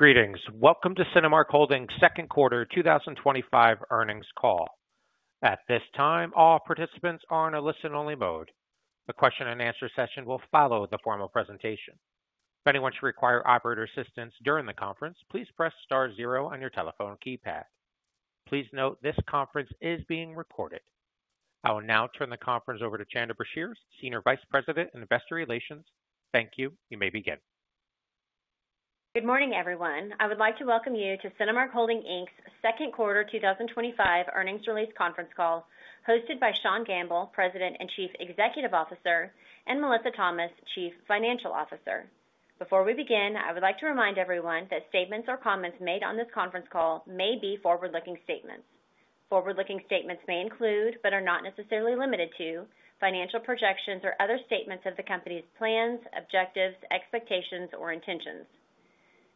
Greetings. Welcome to Cinemark Holdings, second quarter 2025 earnings call. At this time, all participants are in a listen-only mode. The question-and-answer session will follow the formal presentation. If anyone should require operator assistance during the conference, please press star zero on your telephone keypad. Please note this conference is being recorded. I will now turn the conference over to Chanda Brashears, Senior Vice President and Investor Relations. Thank you. You may begin. Good morning, everyone. I would like to welcome you to Cinemark Holdings, Inc.'s second quarter 2025 earnings release conference call hosted by Sean Gamble, President and Chief Executive Officer, and Melissa Thomas, Chief Financial Officer. Before we begin, I would like to remind everyone that statements or comments made on this conference call may be forward-looking statements. Forward-looking statements may include, but are not necessarily limited to, financial projections or other statements of the company's plans, objectives, expectations, or intentions.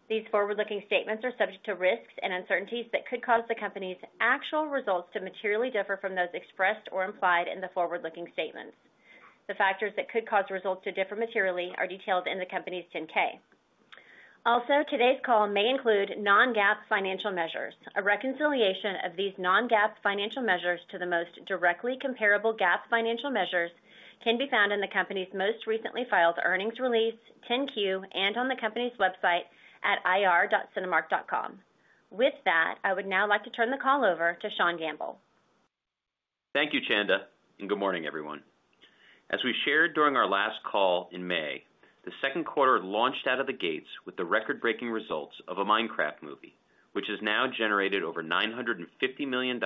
These forward-looking statements are subject to risks and uncertainties that could cause the company's actual results to materially differ from those expressed or implied in the forward-looking statements. The factors that could cause results to differ materially are detailed in the company's 10-K. Also, today's call may include non-GAAP financial measures. A reconciliation of these non-GAAP financial measures to the most directly comparable GAAP financial measures can be found in the company's most recently filed earnings release, 10-Q, and on the company's website at ir.cinemark.com. With that, I would now like to turn the call over to Sean Gamble. Thank you, Chanda, and good morning, everyone. As we shared during our last call in May, the second quarter launched out of the gates with the record-breaking results of a Minecraft movie, which has now generated over $950 million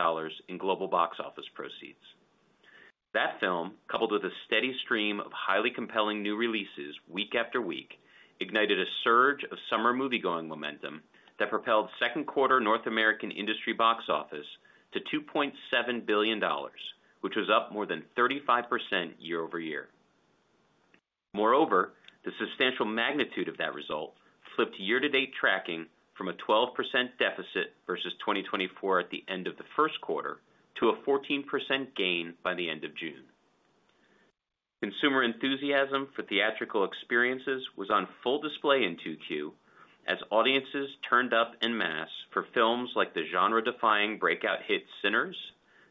in global box office proceeds. That film, coupled with a steady stream of highly compelling new releases week after week, ignited a surge of summer moviegoing momentum that propelled second quarter North American industry box office to $2.7 billion, which was up more than 35% year-over-year. Moreover, the substantial magnitude of that result flipped year-to-date tracking from a 12% deficit versus 2023 at the end of the first quarter to a 14% gain by the end of June. Consumer enthusiasm for theatrical experiences was on full display in 2Q as audiences turned up en masse for films like the genre-defying breakout hit Sinners,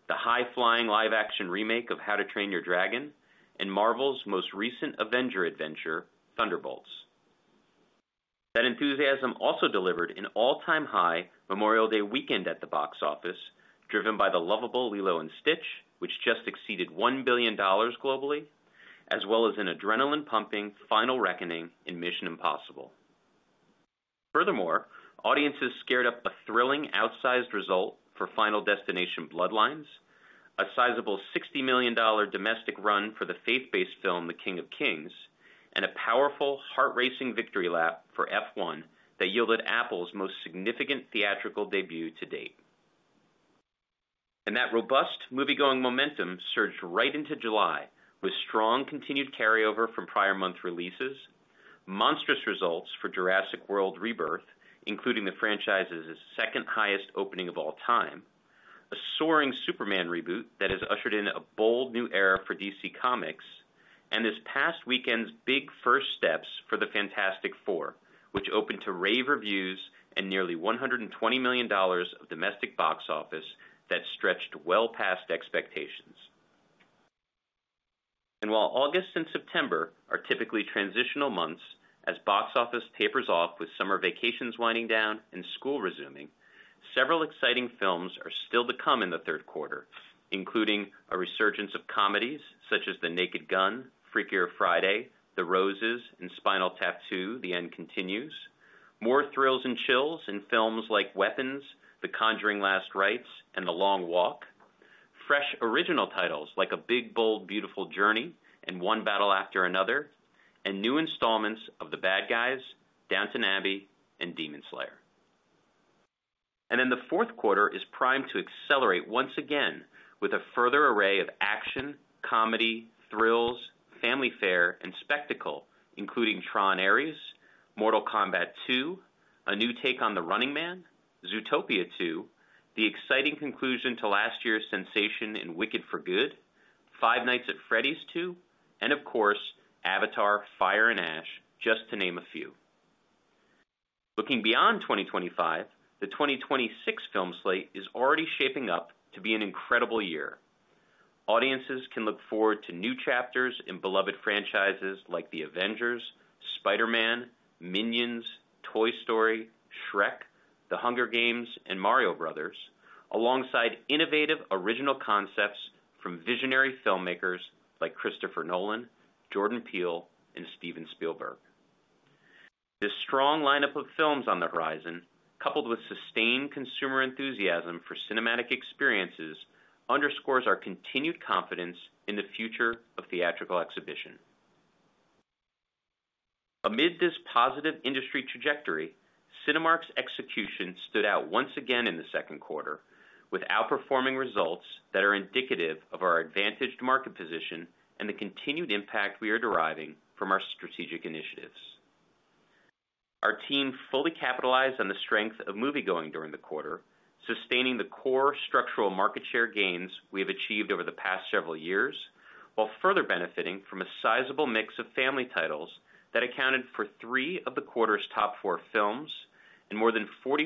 the high-flying live-action remake of How to Train Your Dragon, and Marvel's most recent Avenger adventure, Thunderbolts. That enthusiasm also delivered an all-time high Memorial Day weekend at the box office, driven by the lovable Lilo and Stitch, which just exceeded $1 billion globally, as well as an adrenaline-pumping final reckoning in Mission: Impossible. Furthermore, audiences scared up a thrilling outsized result for Final Destination: Bloodlines, a sizable $60 million domestic run for the faith-based film The King of Kings, and a powerful, heart-racing victory lap for F1 that yielded Apple's most significant theatrical debut to date. That robust moviegoing momentum surged right into July with strong continued carryover from prior month releases, monstrous results for Jurassic World Rebirth, including the franchise's second-highest opening of all time, a soaring Superman reboot that has ushered in a bold new era for DC Comics, and this past weekend's big first steps for The Fantastic Four, which opened to rave reviews and nearly $120 million of domestic box office that stretched well past expectations. While August and September are typically transitional months as box office tapers off with summer vacations winding down and school resuming, several exciting films are still to come in the third quarter, including a resurgence of comedies such as The Naked Gun, Freakier Friday, The Roses, and Spinal Tattoo: The End Continues, more thrills and chills in films like Weapons, The Conjuring: Last Rites, and The Long Walk, fresh original titles like A Big, Bold, Beautiful Journey and One Battle After Another, and new installments of The Bad Guys, Downton Abbey, and Demon Slayer. The fourth quarter is primed to accelerate once again with a further array of action, comedy, thrills, family fare, and spectacle, including Tron: Aries, Mortal Kombat II, a new take on The Running Man, Zootopia 2, the exciting conclusion to last year's sensation in Wicked for Good, Five Nights at Freddy's 2, and of course, Avatar: Fire and Ash, just to name a few. Looking beyond 2025, the 2026 film slate is already shaping up to be an incredible year. Audiences can look forward to new chapters in beloved franchises like The Avengers, Spider-Man, Minions, Toy Story, Shrek, The Hunger Games, and Mario Bros., alongside innovative original concepts from visionary filmmakers like Christopher Nolan, Jordan Peele, and Steven Spielberg. This strong lineup of films on the horizon, coupled with sustained consumer enthusiasm for cinematic experiences, underscores our continued confidence in the future of theatrical exhibition. Amid this positive industry trajectory, Cinemark's execution stood out once again in the second quarter, with outperforming results that are indicative of our advantaged market position and the continued impact we are deriving from our strategic initiatives. Our team fully capitalized on the strength of moviegoing during the quarter, sustaining the core structural market share gains we have achieved over the past several years, while further benefiting from a sizable mix of family titles that accounted for three of the quarter's top four films and more than 40%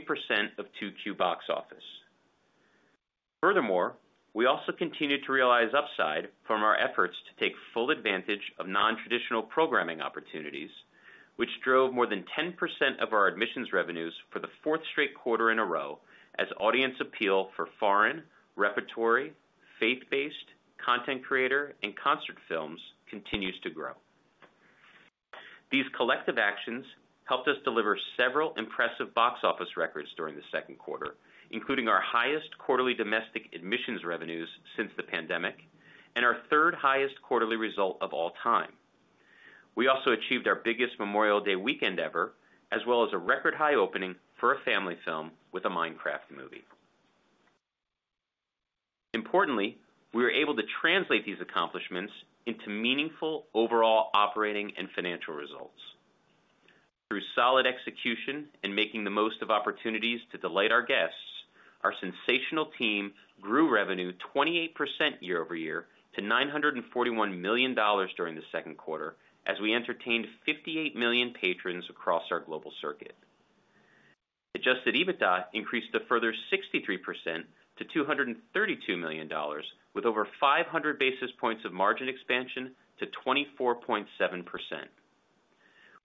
of 2Q box office. Furthermore, we also continue to realize upside from our efforts to take full advantage of nontraditional programming opportunities, which drove more than 10% of our admissions revenues for the fourth straight quarter in a row, as audience appeal for foreign, repertory, faith-based, content creator, and concert films continues to grow. These collective actions helped us deliver several impressive box office records during the second quarter, including our highest quarterly domestic admissions revenues since the pandemic and our third highest quarterly result of all time. We also achieved our biggest Memorial Day weekend ever, as well as a record-high opening for a family film with a Minecraft movie. Importantly, we were able to translate these accomplishments into meaningful overall operating and financial results. Through solid execution and making the most of opportunities to delight our guests, our sensational team grew revenue 28% year-over-year to $941 million during the second quarter, as we entertained 58 million patrons across our global circuit. Adjusted EBITDA increased a further 63% to $232 million, with over 500 basis points of margin expansion to 24.7%.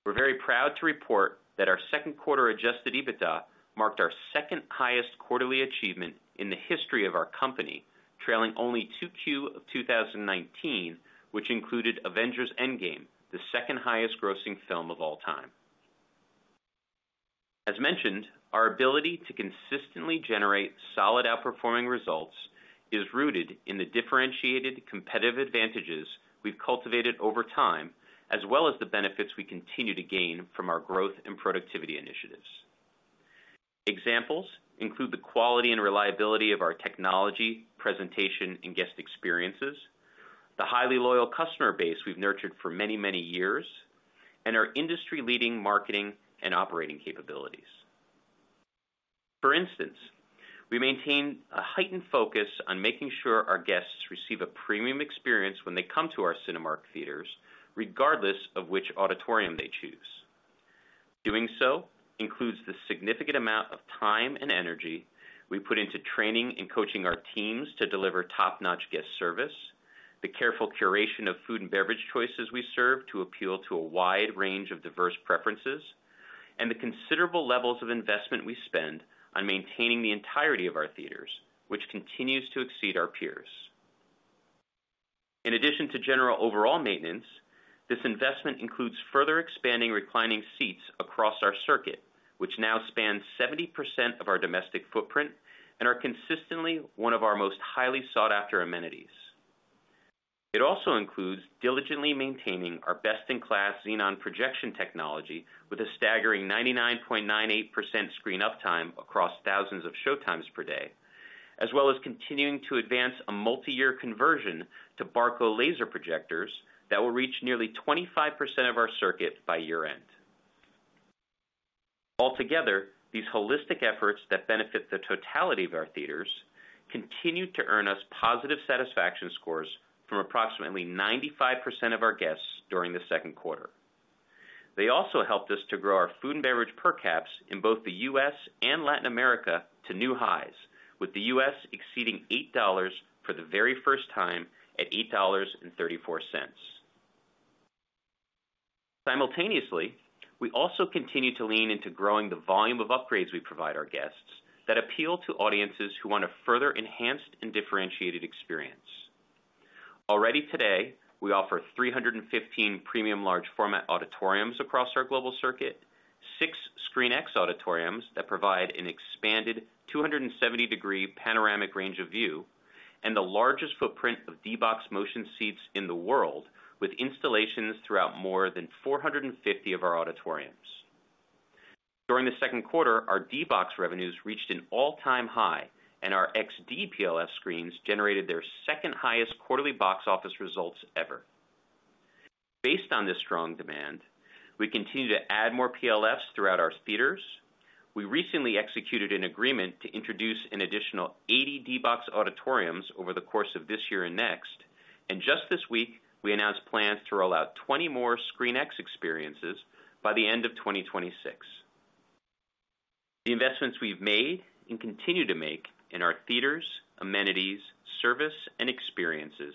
We're very proud to report that our second quarter adjusted EBITDA marked our second-highest quarterly achievement in the history of our company, trailing only 2Q of 2019, which included Avengers: Endgame, the second-highest grossing film of all time. As mentioned, our ability to consistently generate solid outperforming results is rooted in the differentiated competitive advantages we've cultivated over time, as well as the benefits we continue to gain from our growth and productivity initiatives. Examples include the quality and reliability of our technology, presentation, and guest experiences, the highly loyal customer base we've nurtured for many, many years, and our industry-leading marketing and operating capabilities. For instance, we maintain a heightened focus on making sure our guests receive a premium experience when they come to our Cinemark theaters, regardless of which auditorium they choose. Doing so includes the significant amount of time and energy we put into training and coaching our teams to deliver top-notch guest service, the careful curation of food and beverage choices we serve to appeal to a wide range of diverse preferences, and the considerable levels of investment we spend on maintaining the entirety of our theaters, which continues to exceed our peers. In addition to general overall maintenance, this investment includes further expanding reclining seats across our circuit, which now spans 70% of our domestic footprint and are consistently one of our most highly sought-after amenities. It also includes diligently maintaining our best-in-class Xenon projection technology with a staggering 99.98% screen uptime across thousands of showtimes per day, as well as continuing to advance a multi-year conversion to Barco laser projectors that will reach nearly 25% of our circuit by year-end. Altogether, these holistic efforts that benefit the totality of our theaters continue to earn us positive satisfaction scores from approximately 95% of our guests during the second quarter. They also helped us to grow our food and beverage per caps in both the U.S. and Latin America to new highs, with the U.S. exceeding $8 for the very first time at $8.34. Simultaneously, we also continue to lean into growing the volume of upgrades we provide our guests that appeal to audiences who want a further enhanced and differentiated experience. Already today, we offer 315 premium large format auditoriums across our global circuit, six ScreenX auditoriums that provide an expanded 270-degree panoramic range of view, and the largest footprint of D-Box motion seats in the world, with installations throughout more than 450 of our auditoriums. During the second quarter, our D-Box revenues reached an all-time high, and our XD PLF screens generated their second-highest quarterly box office results ever. Based on this strong demand, we continue to add more PLFs throughout our theaters. We recently executed an agreement to introduce an additional 80 D-Box auditoriums over the course of this year and next, and just this week, we announced plans to roll out 20 more ScreenX experiences by the end of 2026. The investments we've made and continue to make in our theaters, amenities, service, and experiences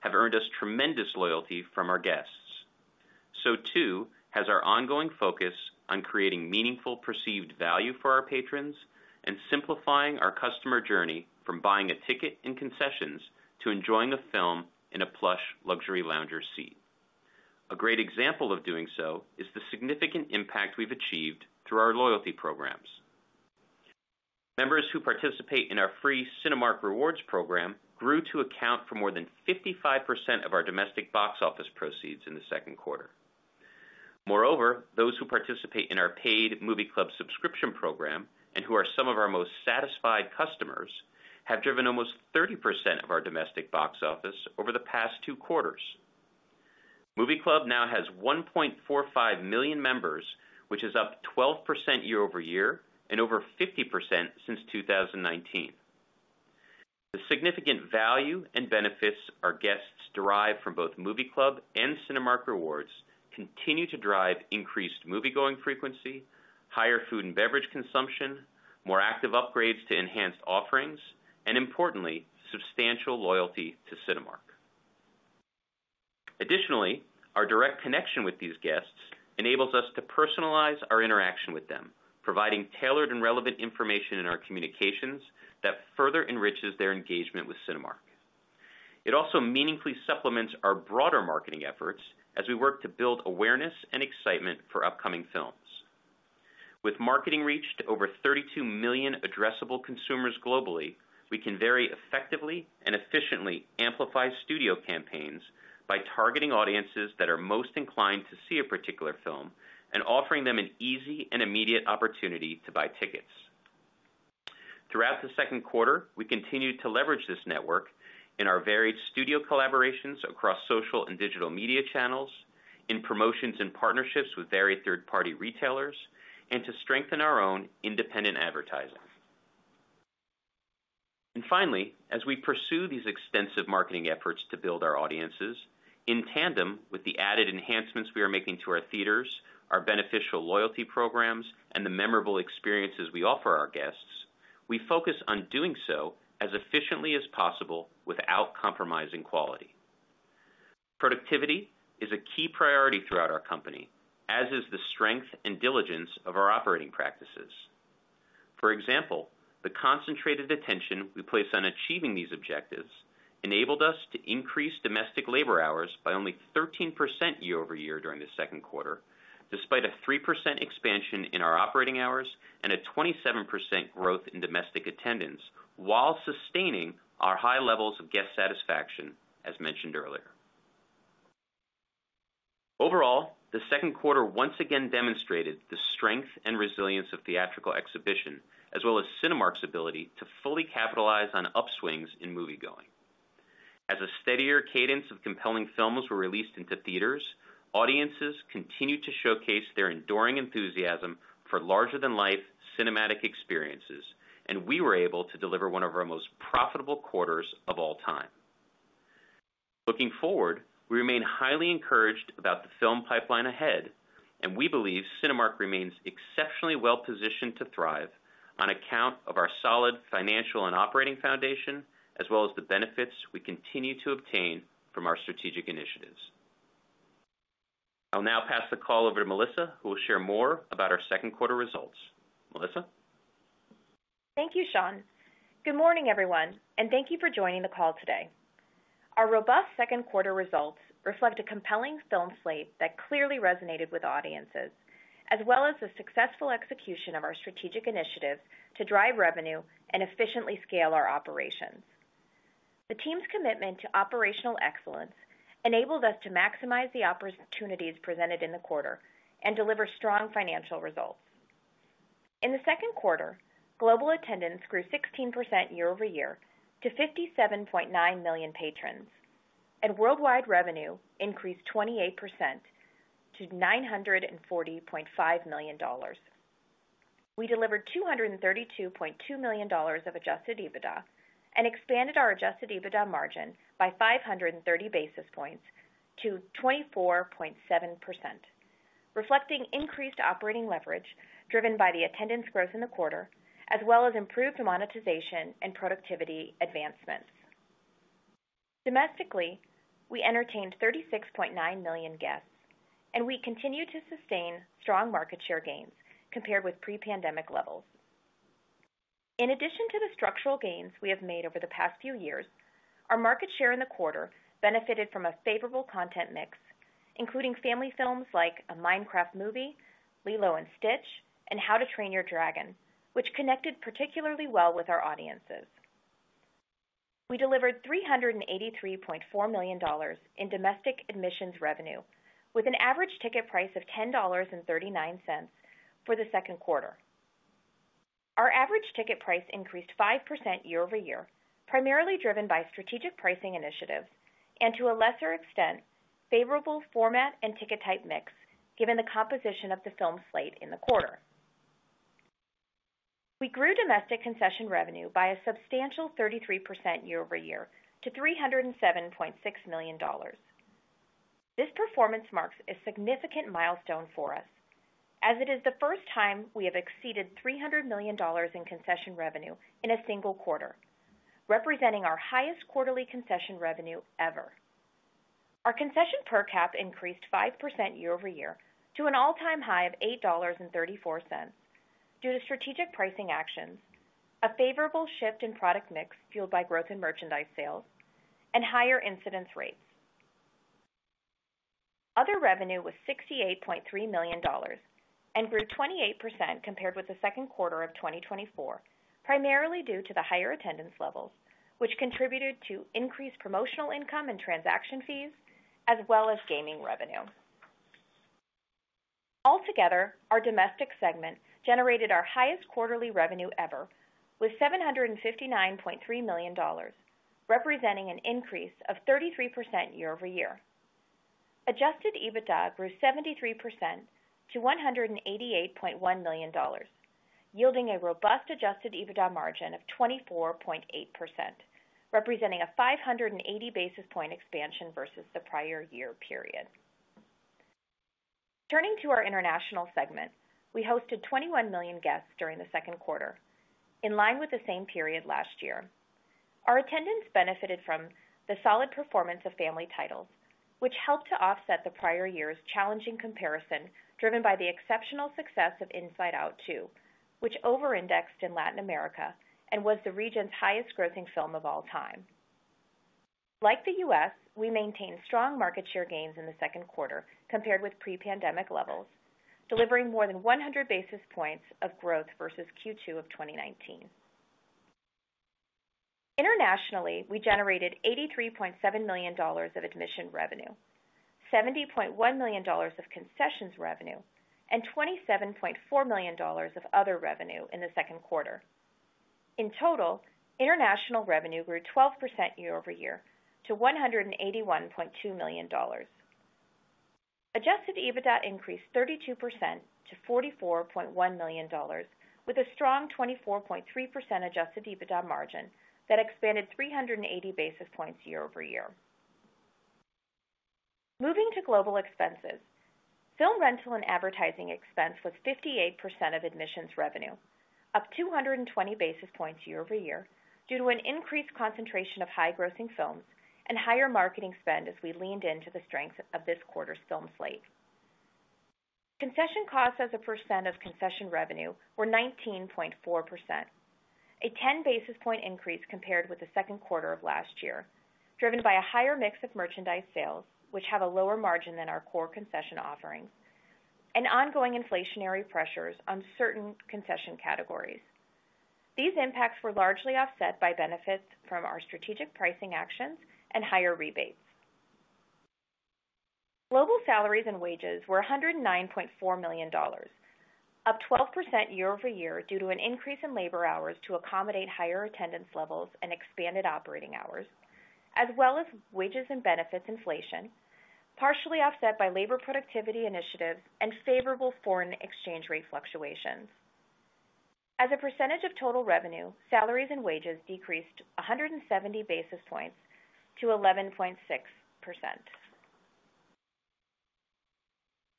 have earned us tremendous loyalty from our guests. Our ongoing focus on creating meaningful perceived value for our patrons and simplifying our customer journey from buying a ticket in concessions to enjoying a film in a plush luxury lounger seat has also contributed. A great example of doing so is the significant impact we've achieved through our loyalty programs. Members who participate in our free Cinemark Rewards program grew to account for more than 55% of our domestic box office proceeds in the second quarter. Moreover, those who participate in our paid Movie Club subscription program and who are some of our most satisfied customers have driven almost 30% of our domestic box office over the past two quarters. Movie Club now has 1.45 million members, which is up 12% year-over-year and over 50% since 2019. The significant value and benefits our guests derive from both Movie Club and Cinemark Rewards continue to drive increased moviegoing frequency, higher food and beverage consumption, more active upgrades to enhanced offerings, and, importantly, substantial loyalty to Cinemark. Additionally, our direct connection with these guests enables us to personalize our interaction with them, providing tailored and relevant information in our communications that further enriches their engagement with Cinemark. It also meaningfully supplements our broader marketing efforts as we work to build awareness and excitement for upcoming films. With marketing reach to over 32 million addressable consumers globally, we can very effectively and efficiently amplify studio campaigns by targeting audiences that are most inclined to see a particular film and offering them an easy and immediate opportunity to buy tickets. Throughout the second quarter, we continue to leverage this network in our varied studio collaborations across social and digital media channels, in promotions and partnerships with varied third-party retailers, and to strengthen our own independent advertising. Finally, as we pursue these extensive marketing efforts to build our audiences, in tandem with the added enhancements we are making to our theaters, our beneficial loyalty programs, and the memorable experiences we offer our guests, we focus on doing so as efficiently as possible without compromising quality. Productivity is a key priority throughout our company, as is the strength and diligence of our operating practices. For example, the concentrated attention we place on achieving these objectives enabled us to increase domestic labor hours by only 13% year-over-year during the second quarter, despite a 3% expansion in our operating hours and a 27% growth in domestic attendance, while sustaining our high levels of guest satisfaction, as mentioned earlier. Overall, the second quarter once again demonstrated the strength and resilience of theatrical exhibition, as well as Cinemark's ability to fully capitalize on upswings in moviegoing. As a steadier cadence of compelling films were released into theaters, audiences continued to showcase their enduring enthusiasm for larger-than-life cinematic experiences, and we were able to deliver one of our most profitable quarters of all time. Looking forward, we remain highly encouraged about the film pipeline ahead, and we believe Cinemark remains exceptionally well-positioned to thrive on account of our solid financial and operating foundation, as well as the benefits we continue to obtain from our strategic initiatives. I'll now pass the call over to Melissa, who will share more about our second quarter results. Melissa? Thank you, Sean. Good morning, everyone, and thank you for joining the call today. Our robust second quarter results reflect a compelling film slate that clearly resonated with audiences, as well as the successful execution of our strategic initiatives to drive revenue and efficiently scale our operations. The team's commitment to operational excellence enabled us to maximize the opportunities presented in the quarter and deliver strong financial results. In the second quarter, global attendance grew 16% year-over-year to 57.9 million patrons, and worldwide revenue increased 28% to $940.5 million. We delivered $232.2 million of adjusted EBITDA and expanded our adjusted EBITDA margin by 530 basis points to 24.7%, reflecting increased operating leverage driven by the attendance growth in the quarter, as well as improved monetization and productivity advancements. Domestically, we entertained 36.9 million guests, and we continue to sustain strong market share gains compared with pre-pandemic levels. In addition to the structural gains we have made over the past few years, our market share in the quarter benefited from a favorable content mix, including family films like Minecraft, Lilo & Stitch, and How to Train Your Dragon, which connected particularly well with our audiences. We delivered $383.4 million in domestic admissions revenue, with an average ticket price of $10.39 for the second quarter. Our average ticket price increased 5% year-over-year, primarily driven by strategic pricing initiatives and, to a lesser extent, favorable format and ticket type mix, given the composition of the film slate in the quarter. We grew domestic concession revenue by a substantial 33% year-over-year to $307.6 million. This performance marks a significant milestone for us, as it is the first time we have exceeded $300 million in concession revenue in a single quarter, representing our highest quarterly concession revenue ever. Our concession per cap increased 5% year-over-year to an all-time high of $8.34 due to strategic pricing actions, a favorable shift in product mix fueled by growth in merchandise sales, and higher incidence rates. Other revenue was $68.3 million and grew 28% compared with the second quarter of 2024, primarily due to the higher attendance levels, which contributed to increased promotional income and transaction fees, as well as gaming revenue. Altogether, our domestic segment generated our highest quarterly revenue ever, with $759.3 million, representing an increase of 33% year-over-year. Adjusted EBITDA grew 73% to $188.1 million, yielding a robust adjusted EBITDA margin of 24.8%, representing a 580 basis point expansion versus the prior year period. Turning to our international segment, we hosted 21 million guests during the second quarter, in line with the same period last year. Our attendance benefited from the solid performance of family titles, which helped to offset the prior year's challenging comparison driven by the exceptional success of Inside Out 2, which over-indexed in Latin America and was the region's highest-grossing film of all time. Like the U.S., we maintained strong market share gains in the second quarter compared with pre-pandemic levels, delivering more than 100 basis points of growth versus Q2 of 2019. Internationally, we generated $83.7 million of admission revenue, $70.1 million of concessions revenue, and $27.4 million of other revenue in the second quarter. In total, international revenue grew 12% year-over-year to $181.2 million. Adjusted EBITDA increased 32% to $44.1 million, with a strong 24.3% adjusted EBITDA margin that expanded 380 basis points year over year. Moving to global expenses, film rental and advertising expense was 58% of admissions revenue, up 220 basis points year over year due to an increased concentration of high-grossing films and higher marketing spend as we leaned into the strengths of this quarter's film slate. Concession costs as a percent of concession revenue were 19.4%, a 10 basis point increase compared with the second quarter of last year, driven by a higher mix of merchandise sales, which have a lower margin than our core concession offerings, and ongoing inflationary pressures on certain concession categories. These impacts were largely offset by benefits from our strategic pricing actions and higher rebates. Global salaries and wages were $109.4 million, up 12% year-over-year due to an increase in labor hours to accommodate higher attendance levels and expanded operating hours, as well as wages and benefits inflation, partially offset by labor productivity initiatives and favorable foreign exchange rate fluctuations. As a percentage of total revenue, salaries and wages decreased 170 basis points to 11.6%.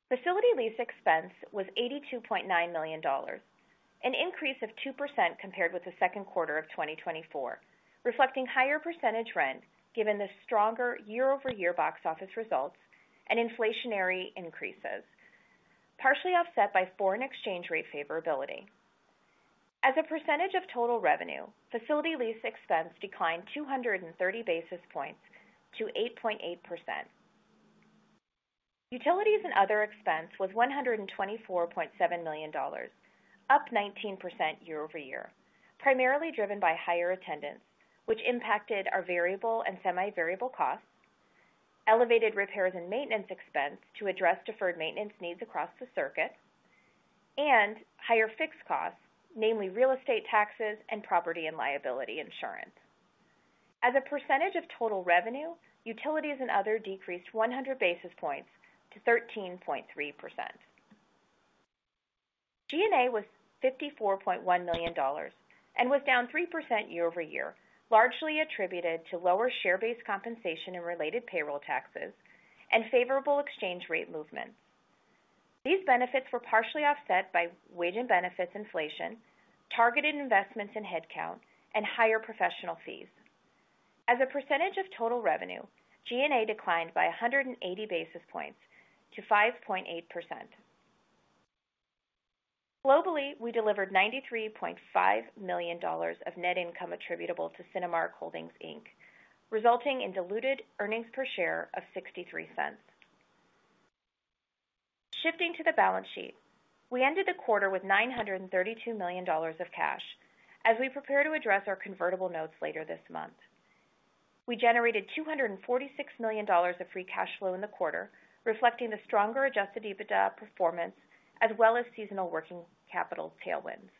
Facility lease expense was $82.9 million, an increase of 2% compared with the second quarter of 2024, reflecting higher percentage rent given the stronger year-over-year box office results and inflationary increases, partially offset by foreign exchange rate favorability. As a percentage of total revenue, facility lease expense declined 230 basis points to 8.8%. Utilities and other expense was $124.7 million, up 19% year-over-year, primarily driven by higher attendance, which impacted our variable and semi-variable costs, elevated repairs and maintenance expense to address deferred maintenance needs across the circuit, and higher fixed costs, namely real estate taxes and property and liability insurance. As a percentage of total revenue, utilities and other decreased 100 basis points to 13.3%. G&A was $54.1 million and was down 3% year-over-year, largely attributed to lower share-based compensation and related payroll taxes and favorable exchange rate movements. These benefits were partially offset by wage and benefits inflation, targeted investments in headcount, and higher professional fees. As a percentage of total revenue, G&A declined by 180 basis points to 5.8%. Globally, we delivered $93.5 million of net income attributable to Cinemark Holdings, Inc., resulting in diluted earnings per share of $0.63. Shifting to the balance sheet, we ended the quarter with $932 million of cash, as we prepare to address our convertible notes later this month. We generated $246 million of free cash flow in the quarter, reflecting the stronger adjusted EBITDA performance, as well as seasonal working capital tailwinds.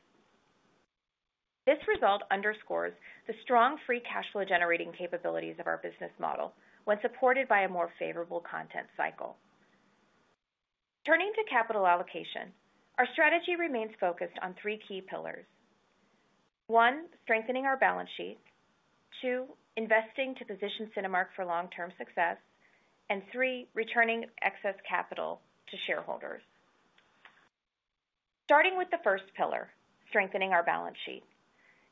This result underscores the strong free cash flow generating capabilities of our business model when supported by a more favorable content cycle. Turning to capital allocation, our strategy remains focused on three key pillars: one, strengthening our balance sheet; two, investing to position Cinemark for long-term success; and three, returning excess capital to shareholders. Starting with the first pillar, strengthening our balance sheet,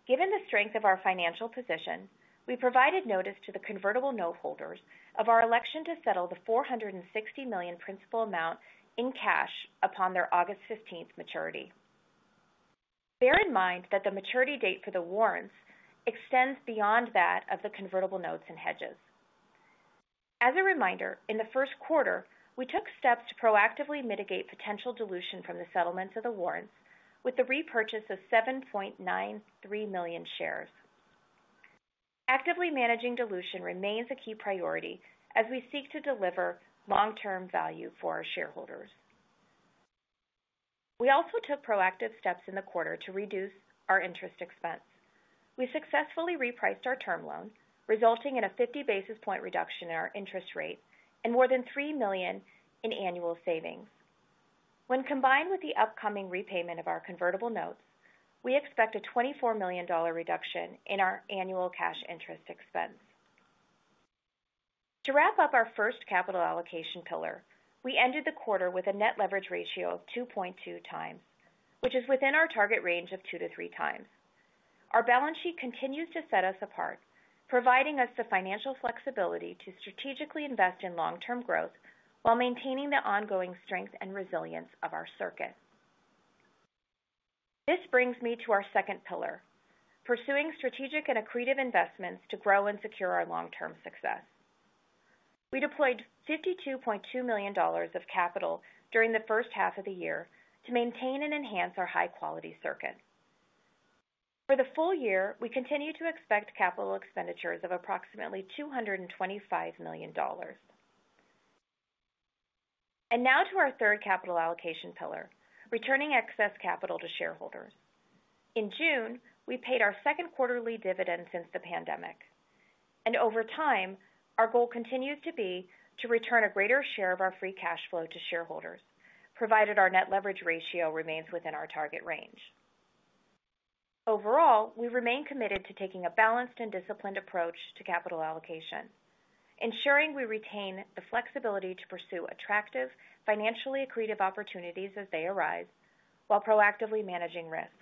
given the strength of our financial position, we provided notice to the convertible note holders of our election to settle the $460 million principal amount in cash upon their August 15 maturity. Bear in mind that the maturity date for the warrants extends beyond that of the convertible notes and hedges. As a reminder, in the first quarter, we took steps to proactively mitigate potential dilution from the settlements of the warrants with the repurchase of 7.93 million shares. Actively managing dilution remains a key priority as we seek to deliver long-term value for our shareholders. We also took proactive steps in the quarter to reduce our interest expense. We successfully repriced our term loan, resulting in a 50 basis point reduction in our interest rate and more than $3 million in annual savings. When combined with the upcoming repayment of our convertible notes, we expect a $24 million reduction in our annual cash interest expense. To wrap up our first capital allocation pillar, we ended the quarter with a net leverage ratio of 2.2x, which is within our target range of 2x-3x Our balance sheet continues to set us apart, providing us the financial flexibility to strategically invest in long-term growth while maintaining the ongoing strength and resilience of our circuit. This brings me to our second pillar, pursuing strategic and accretive investments to grow and secure our long-term success. We deployed $52.2 million of capital during the first half of the year to maintain and enhance our high-quality circuit. For the full year, we continue to expect capital expenditures of approximately $225 million. Now to our third capital allocation pillar, returning excess capital to shareholders. In June, we paid our second quarterly dividend since the pandemic, and over time, our goal continues to be to return a greater share of our free cash flow to shareholders, provided our net leverage ratio remains within our target range. Overall, we remain committed to taking a balanced and disciplined approach to capital allocation, ensuring we retain the flexibility to pursue attractive, financially accretive opportunities as they arise, while proactively managing risk.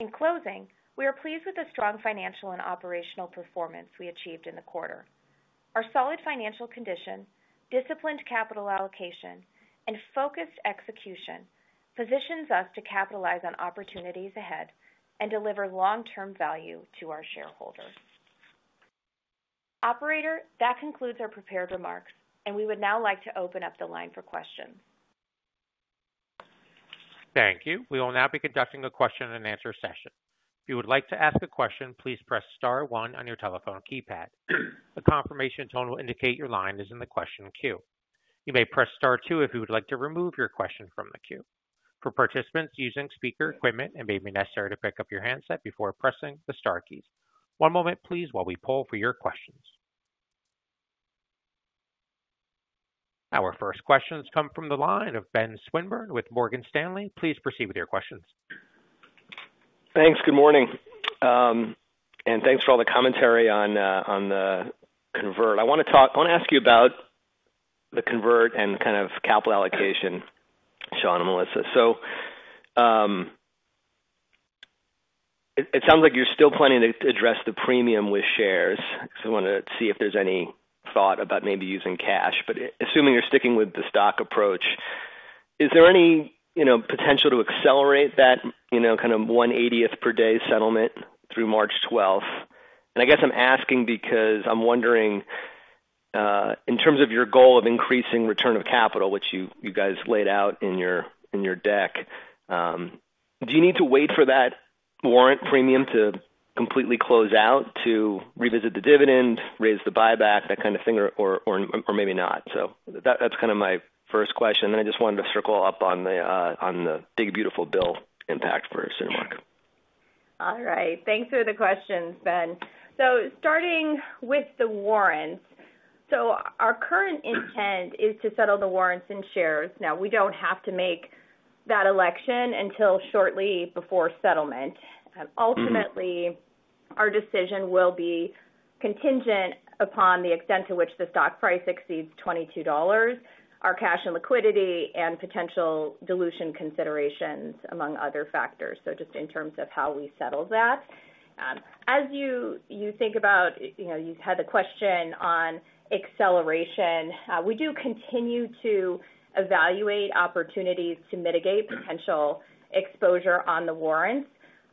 In closing, we are pleased with the strong financial and operational performance we achieved in the quarter. Our solid financial condition, disciplined capital allocation, and focused execution positions us to capitalize on opportunities ahead and deliver long-term value to our shareholders. Operator, that concludes our prepared remarks, and we would now like to open up the line for questions. Thank you. We will now be conducting a question-and-answer session. If you would like to ask a question, please press Star, one on your telephone keypad. The confirmation tone will indicate your line is in the question queue. You may press Star, two if you would like to remove your question from the queue. For participants using speaker equipment, it may be necessary to pick up your handset before pressing the Star keys. One moment, please, while we pull for your questions. Our first questions come from the line of Ben Swinburne with Morgan Stanley. Please proceed with your questions. Thanks. Good morning. Thanks for all the commentary on the convert. I want to ask you about the convert and kind of capital allocation, Sean and Melissa. It sounds like you're still planning to address the premium with shares. I want to see if there's any thought about maybe using cash. Assuming you're sticking with the stock approach, is there any potential to accelerate that kind of 180th per day settlement through March 12? I'm asking because I'm wondering, in terms of your goal of increasing return of capital, which you guys laid out in your deck, do you need to wait for that warrant premium to completely close out to revisit the dividend, raise the buyback, that kind of thing, or maybe not? That's my first question. I just wanted to circle up on the big, beautiful bill impact for Cinemark. All right. Thanks for the questions, Ben. Starting with the warrants, our current intent is to settle the warrants in shares. We don't have to make that election until shortly before settlement. Ultimately, our decision will be contingent upon the extent to which the stock price exceeds $22, our cash and liquidity, and potential dilution considerations, among other factors. Just in terms of how we settle that, as you think about, you've had the question on acceleration, we continue to evaluate opportunities to mitigate potential exposure on the warrants.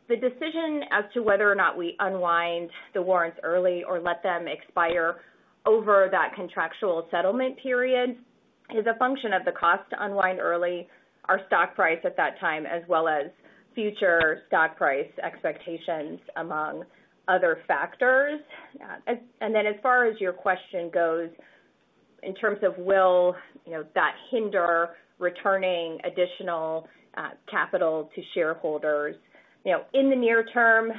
The decision as to whether or not we unwind the warrants early or let them expire over that contractual settlement period is a function of the cost to unwind early, our stock price at that time, as well as future stock price expectations, among other factors. As far as your question goes, in terms of will that hinder returning additional capital to shareholders in the near term,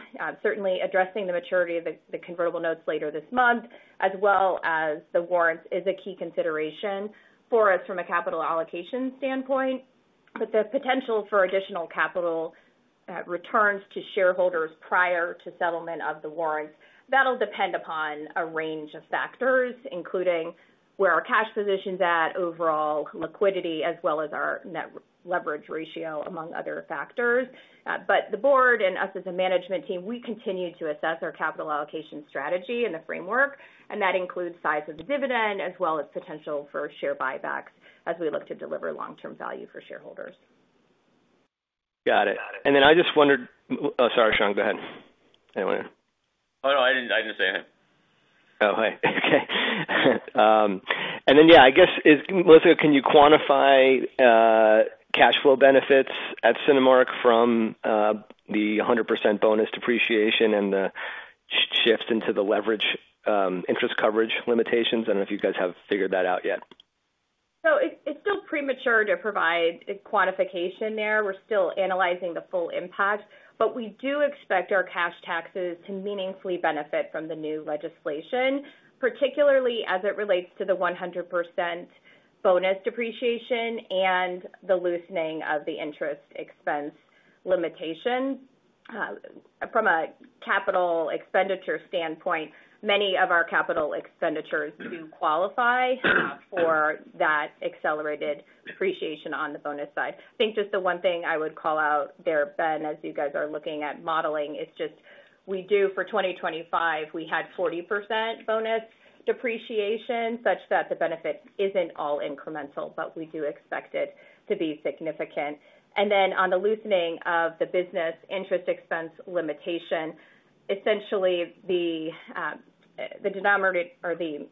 certainly addressing the maturity of the convertible notes later this month, as well as the warrants, is a key consideration for us from a capital allocation standpoint. The potential for additional capital returns to shareholders prior to settlement of the warrants will depend upon a range of factors, including where our cash position's at, overall liquidity, as well as our net leverage ratio, among other factors. The board and us as a management team continue to assess our capital allocation strategy and the framework, and that includes size of the dividend, as well as potential for share buybacks as we look to deliver long-term value for shareholders. Got it. I just wondered, sorry, Sean, go ahead. Anyone? Oh, no, I didn't say anything. Okay. Melissa, can you quantify cash flow benefits at Cinemark from the 100% bonus depreciation and the shifts into the leverage interest coverage limitations? I don't know if you guys have figured that out yet. It is still premature to provide a quantification there. We are still analyzing the full impact. We do expect our cash taxes to meaningfully benefit from the new legislation, particularly as it relates to the 100% bonus depreciation and the loosening of the interest expense limitation. From a capital expenditure standpoint, many of our capital expenditures do qualify for that accelerated depreciation on the bonus side. I think just the one thing I would call out there, Ben, as you guys are looking at modeling, is just we do for 2025, we had 40% bonus depreciation such that the benefit is not all incremental, but we do expect it to be significant. On the loosening of the business interest expense limitation, essentially the denominator or the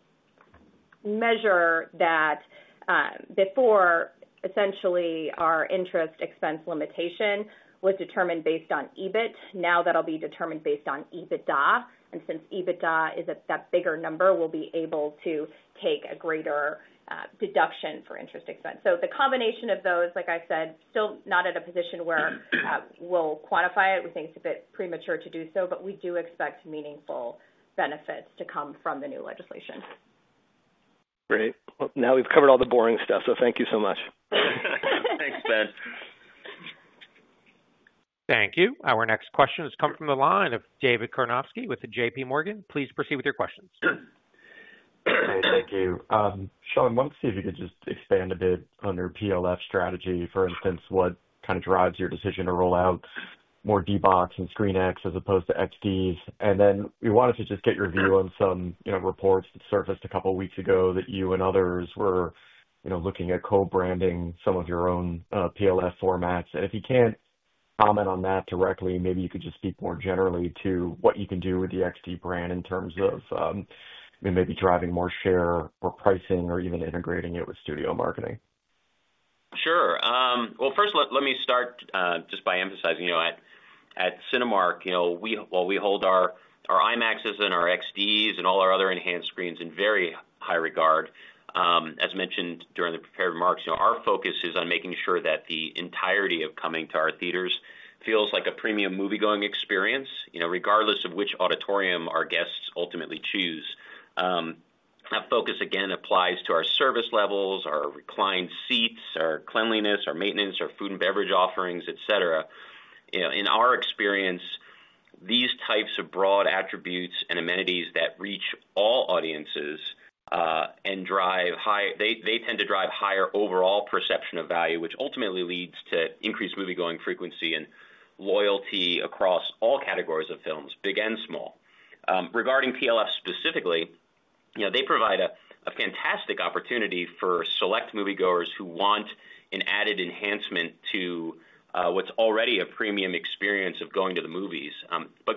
measure that before, essentially, our interest expense limitation was determined based on EBIT. Now that will be determined based on EBITDA. Since EBITDA is that bigger number, we will be able to take a greater deduction for interest expense. The combination of those, like I said, still not at a position where we will quantify it. We think it is a bit premature to do so, but we do expect meaningful benefits to come from the new legislation. Great. Now we've covered all the boring stuff, so thank you so much. Thanks, Ben. Thank you. Our next questions come from the line of David Karnovsky with JP Morgan. Please proceed with your questions. Great. Thank you. Sean, I wanted to see if you could just expand a bit on your PLF strategy. For instance, what kind of drives your decision to roll out more D-Box and ScreenX as opposed to XDs? We wanted to just get your view on some reports that surfaced a couple of weeks ago that you and others were looking at co-branding some of your own PLF formats. If you can't comment on that directly, maybe you could just speak more generally to what you can do with the XD brand in terms of maybe driving more share or pricing or even integrating it with studio marketing. Sure. First, let me start just by emphasizing, you know at Cinemark, you know while we hold our IMAXs and our XDs and all our other enhanced screens in very high regard, as mentioned during the prepared remarks, you know our focus is on making sure that the entirety of coming to our theaters feels like a premium moviegoing experience, you know regardless of which auditorium our guests ultimately choose. That focus, again, applies to our service levels, our reclined seats, our cleanliness, our maintenance, our food and beverage offerings, etc. In our experience, these types of broad attributes and amenities that reach all audiences and drive higher, they tend to drive higher overall perception of value, which ultimately leads to increased moviegoing frequency and loyalty across all categories of films, big and small. Regarding PLF specifically, you know they provide a fantastic opportunity for select moviegoers who want an added enhancement to what's already a premium experience of going to the movies.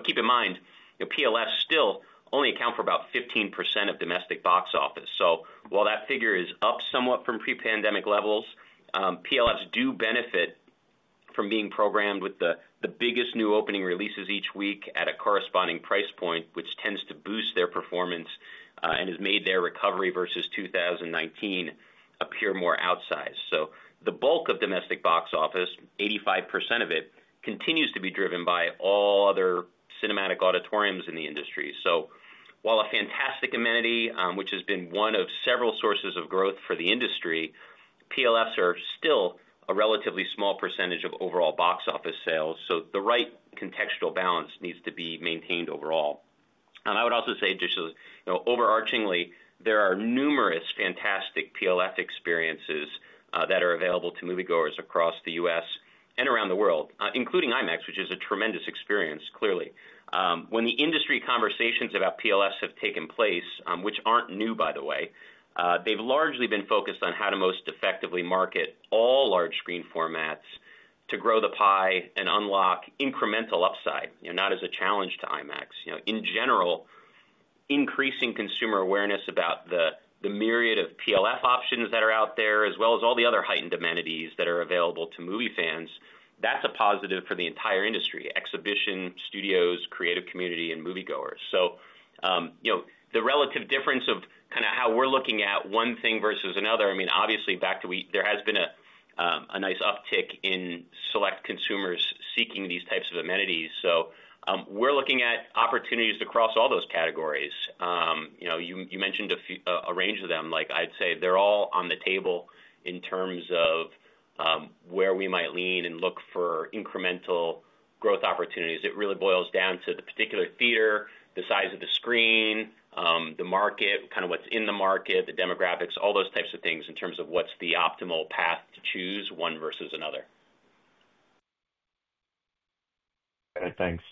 Keep in mind, you know PLFs still only account for about 15% of domestic box office. That figure is up somewhat from pre-pandemic levels. PLFs do benefit from being programmed with the biggest new opening releases each week at a corresponding price point, which tends to boost their performance and has made their recovery versus 2019 appear more outsized. The bulk of domestic box office, 85% of it, continues to be driven by all other cinematic auditoriums in the industry. A fantastic amenity, which has been one of several sources of growth for the industry, PLFs are still a relatively small percentage of overall box office sales. The right contextual balance needs to be maintained overall. I would also say just overarchingly, there are numerous fantastic PLF experiences that are available to moviegoers across the U.S. and around the world, including IMAX, which is a tremendous experience, clearly. When the industry conversations about PLFs have taken place, which aren't new, by the way, they've largely been focused on how to most effectively market all large screen formats to grow the pie and unlock incremental upside, not as a challenge to IMAX. In general, increasing consumer awareness about the myriad of PLF options that are out there, as well as all the other heightened amenities that are available to movie fans, that's a positive for the entire industry, exhibition studios, creative community, and moviegoers. The relative difference of kind of how we're looking at one thing versus another, I mean, obviously, back to there has been a nice uptick in select consumers seeking these types of amenities. We're looking at opportunities across all those categories. You mentioned a range of them. I'd say they're all on the table in terms of where we might lean and look for incremental growth opportunities. It really boils down to the particular theater, the size of the screen, the market, kind of what's in the market, the demographics, all those types of things in terms of what's the optimal path to choose one versus another. Thanks.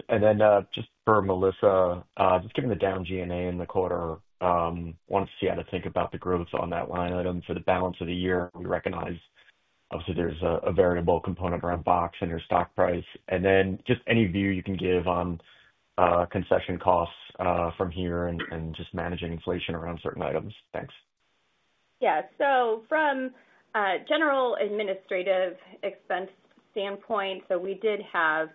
Just for Melissa, given the down G&A in the quarter, I wanted to see how to think about the growth on that line item for the balance of the year. We recognize, obviously, there's a variable component around box and your stock price. Any view you can give on concession costs from here and just managing inflation around certain items. Thanks. Yeah. From a general administrative expense standpoint, we did have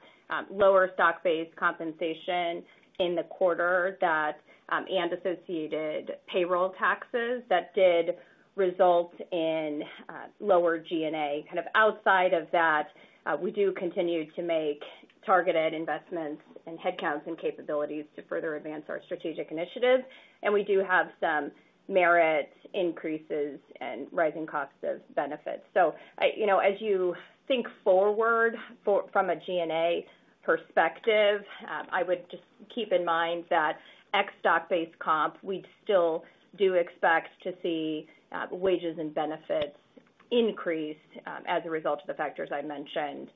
lower stock-based compensation in the quarter and associated payroll taxes that did result in lower G&A. Outside of that, we do continue to make targeted investments in headcounts and capabilities to further advance our strategic initiatives. We do have some merit increases and rising costs of benefits. As you think forward from a G&A perspective, I would just keep in mind that ex-stock-based comp, we still do expect to see wages and benefits increase as a result of the factors I mentioned.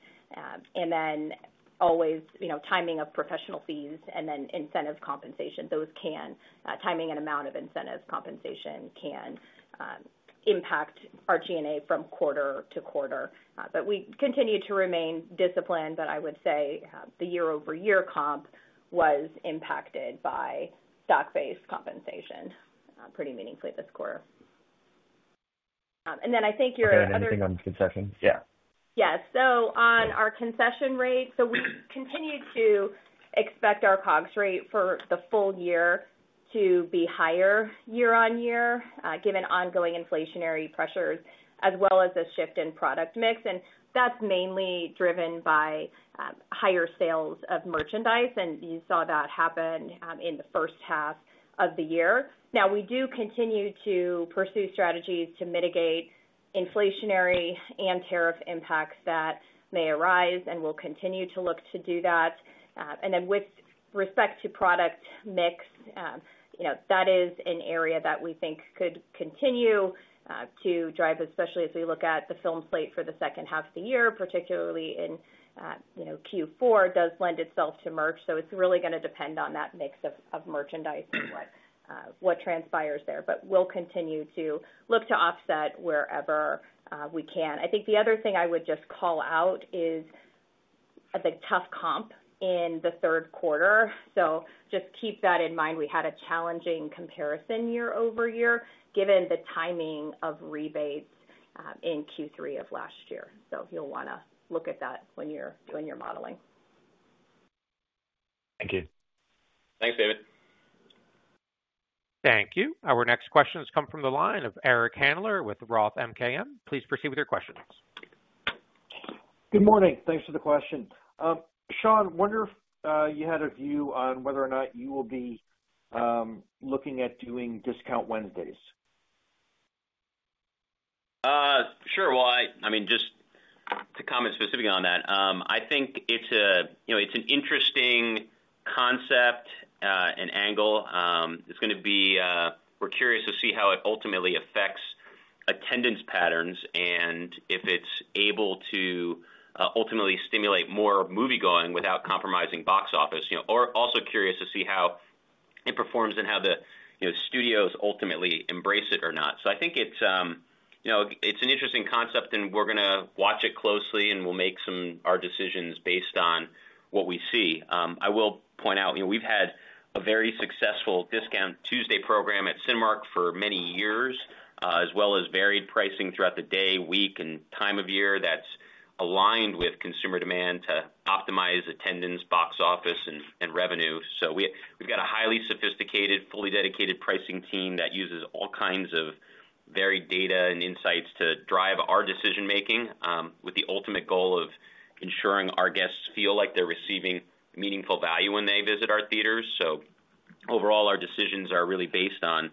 Always timing of professional fees and then incentive compensation, those can timing and amount of incentive compensation can impact our G&A from quarter to quarter. We continue to remain disciplined. I would say the year-over-year comp was impacted by stock-based compensation pretty meaningfully this quarter. I think your other. The same thing on the concessions, yeah. Yeah. On our concession rate, we continue to expect our COGS rate for the full year to be higher year-on-year, given ongoing inflationary pressures, as well as a shift in product mix. That's mainly driven by higher sales of merchandise, and you saw that happen in the first half of the year. We do continue to pursue strategies to mitigate inflationary and tariff impacts that may arise, and we'll continue to look to do that. With respect to product mix, that is an area that we think could continue to drive, especially as we look at the film slate for the second half of the year, particularly in Q4, which does lend itself to merch. It's really going to depend on that mix of merchandise and what transpires there. We'll continue to look to offset wherever we can. The other thing I would just call out is the tough comp in the third quarter, so just keep that in mind. We had a challenging comparison year-over-year, given the timing of rebates in Q3 of last year. You'll want to look at that when you're doing your modeling. Thank you. Thanks, David. Thank you. Our next questions come from the line of Eric Handler with Roth MKM. Please proceed with your questions. Good morning. Thanks for the question. Sean, I wonder if you had a view on whether or not you will be looking at doing discount Wednesdays. Sure. Just to comment specifically on that, I think it's an interesting concept and angle. It's going to be, we're curious to see how it ultimately affects attendance patterns and if it's able to ultimately stimulate more moviegoing without compromising box office. We're also curious to see how it performs and how the studios ultimately embrace it or not. I think it's an interesting concept, and we're going to watch it closely, and we'll make some decisions based on what we see. I will point out, you know we've had a very successful discount Tuesday program at Cinemark for many years, as well as varied pricing throughout the day, week, and time of year that's aligned with consumer demand to optimize attendance, box office, and revenue. We've got a highly sophisticated, fully dedicated pricing team that uses all kinds of varied data and insights to drive our decision-making with the ultimate goal of ensuring our guests feel like they're receiving meaningful value when they visit our theaters. Overall, our decisions are really based on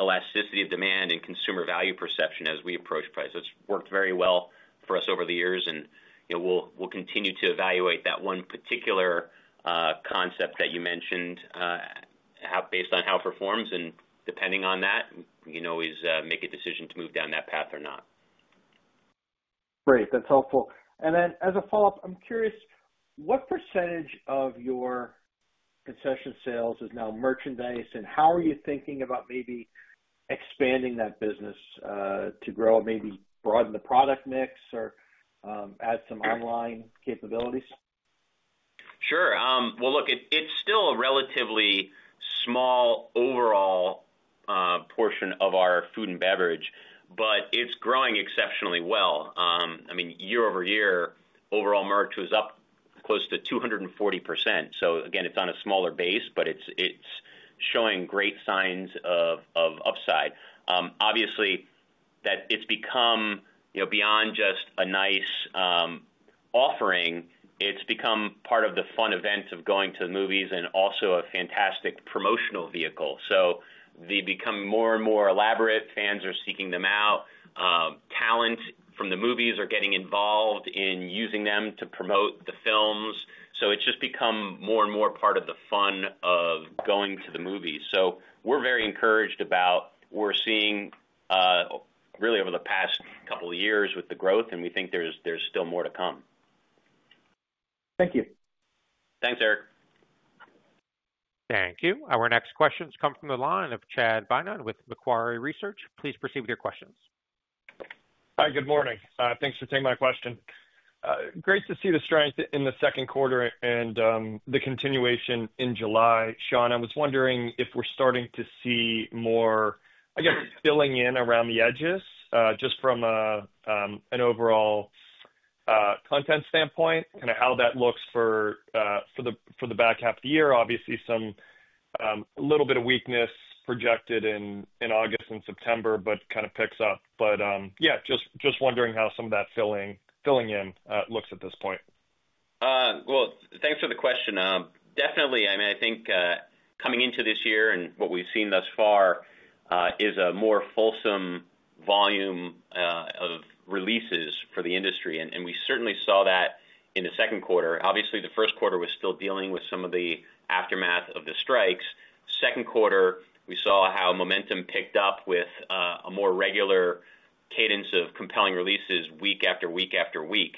elasticity of demand and consumer value perception as we approach price. It's worked very well for us over the years, and we'll continue to evaluate that one particular concept that you mentioned based on how it performs. Depending on that, we can always make a decision to move down that path or not. Great. That's helpful. As a follow-up, I'm curious, what percetage of your concession sales is now merchandise, and how are you thinking about maybe expanding that business to grow and maybe broaden the product mix or add some online capabilities? Sure. It's still a relatively small overall portion of our food and beverage, but it's growing exceptionally well. Year over year, overall merch was up close to 240%. Again, it's on a smaller base, but it's showing great signs of upside. Obviously, it's become beyond just a nice offering. It's become part of the fun events of going to the movies and also a fantastic promotional vehicle. They become more and more elaborate. Fans are seeking them out. Talent from the movies are getting involved in using them to promote the films. It's just become more and more part of the fun of going to the movies. We're very encouraged about what we're seeing really over the past couple of years with the growth, and we think there's still more to come. Thank you. Thanks, Eric. Thank you. Our next questions come from the line of Chad Beynon with Macquarie Research. Please proceed with your questions. Hi. Good morning. Thanks for taking my question. Great to see the strength in the second quarter and the continuation in July. Sean, I was wondering if we're starting to see more, I guess, filling in around the edges just from an overall content standpoint, kind of how that looks for the back half of the year. Obviously, a little bit of weakness projected in August and September, but it kind of picks up. Just wondering how some of that filling in looks at this point. Thank you for the question. Definitely, I mean, I think coming into this year and what we've seen thus far is a more fulsome volume of releases for the industry. We certainly saw that in the second quarter. Obviously, the first quarter was still dealing with some of the aftermath of the strikes. Second quarter, we saw how momentum picked up with a more regular cadence of compelling releases week after week after week.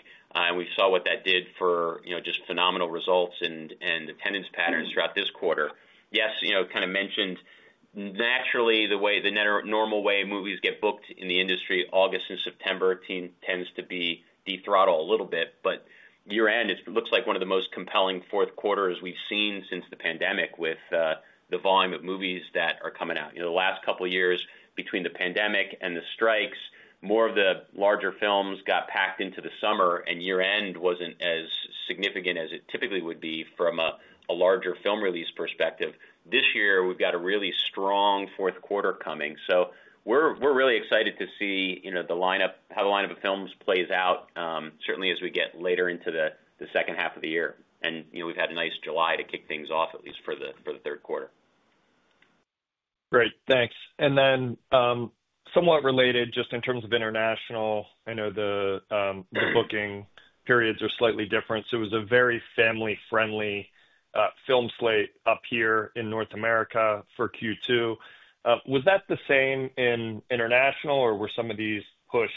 We saw what that did for just phenomenal results and attendance patterns throughout this quarter. Yes, you know, kind of mentioned, naturally, the way the normal way movies get booked in the industry, August and September tend to be dethrottled a little bit. Year-end, it looks like one of the most compelling fourth quarters we've seen since the pandemic with the volume of movies that are coming out. The last couple of years, between the pandemic and the strikes, more of the larger films got packed into the summer, and year-end wasn't as significant as it typically would be from a larger film release perspective. This year, we've got a really strong fourth quarter coming. We're really excited to see how the lineup of films plays out, certainly as we get later into the second half of the year. We've had a nice July to kick things off, at least for the third quarter. Great, thanks. Just in terms of international, I know the booking periods are slightly different. It was a very family-friendly film slate up here in North America for Q2. Was that the same in international, or were some of these pushed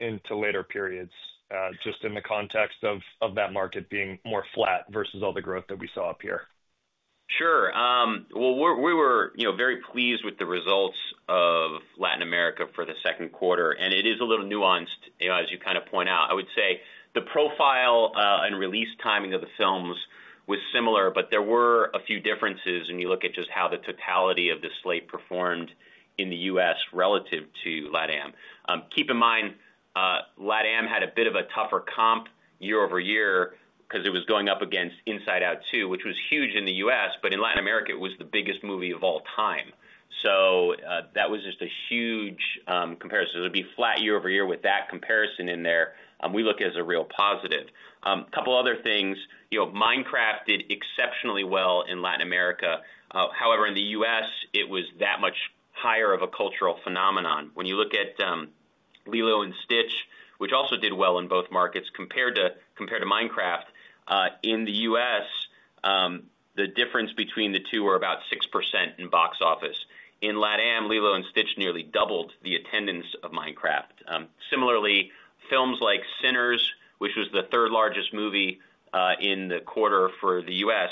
into later periods, just in the context of that market being more flat versus all the growth that we saw up here? Sure. We were very pleased with the results of Latin America for the second quarter. It is a little nuanced, as you kind of point out. I would say the profile and release timing of the films was similar, but there were a few differences when you look at just how the totality of the slate performed in the U.S. relative to LATAM. Keep in mind, LATAM had a bit of a tougher comp year over year because it was going up against Inside Out 2, which was huge in the U.S. In Latin America, it was the biggest movie of all time. That was just a huge comparison. To be flat year over year with that comparison in there, we look at it as a real positive. A couple of other things, Minecraft did exceptionally well in Latin America. However, in the U.S., it was that much higher of a cultural phenomenon. When you look at Lilo & Stitch, which also did well in both markets compared to Minecraft, in the U.S., the difference between the two was about 6% in box office. In LATAM, Lilo & Stitch nearly doubled the attendance of Minecraft. Similarly, films like Sinners, which was the third largest movie in the quarter for the U.S.,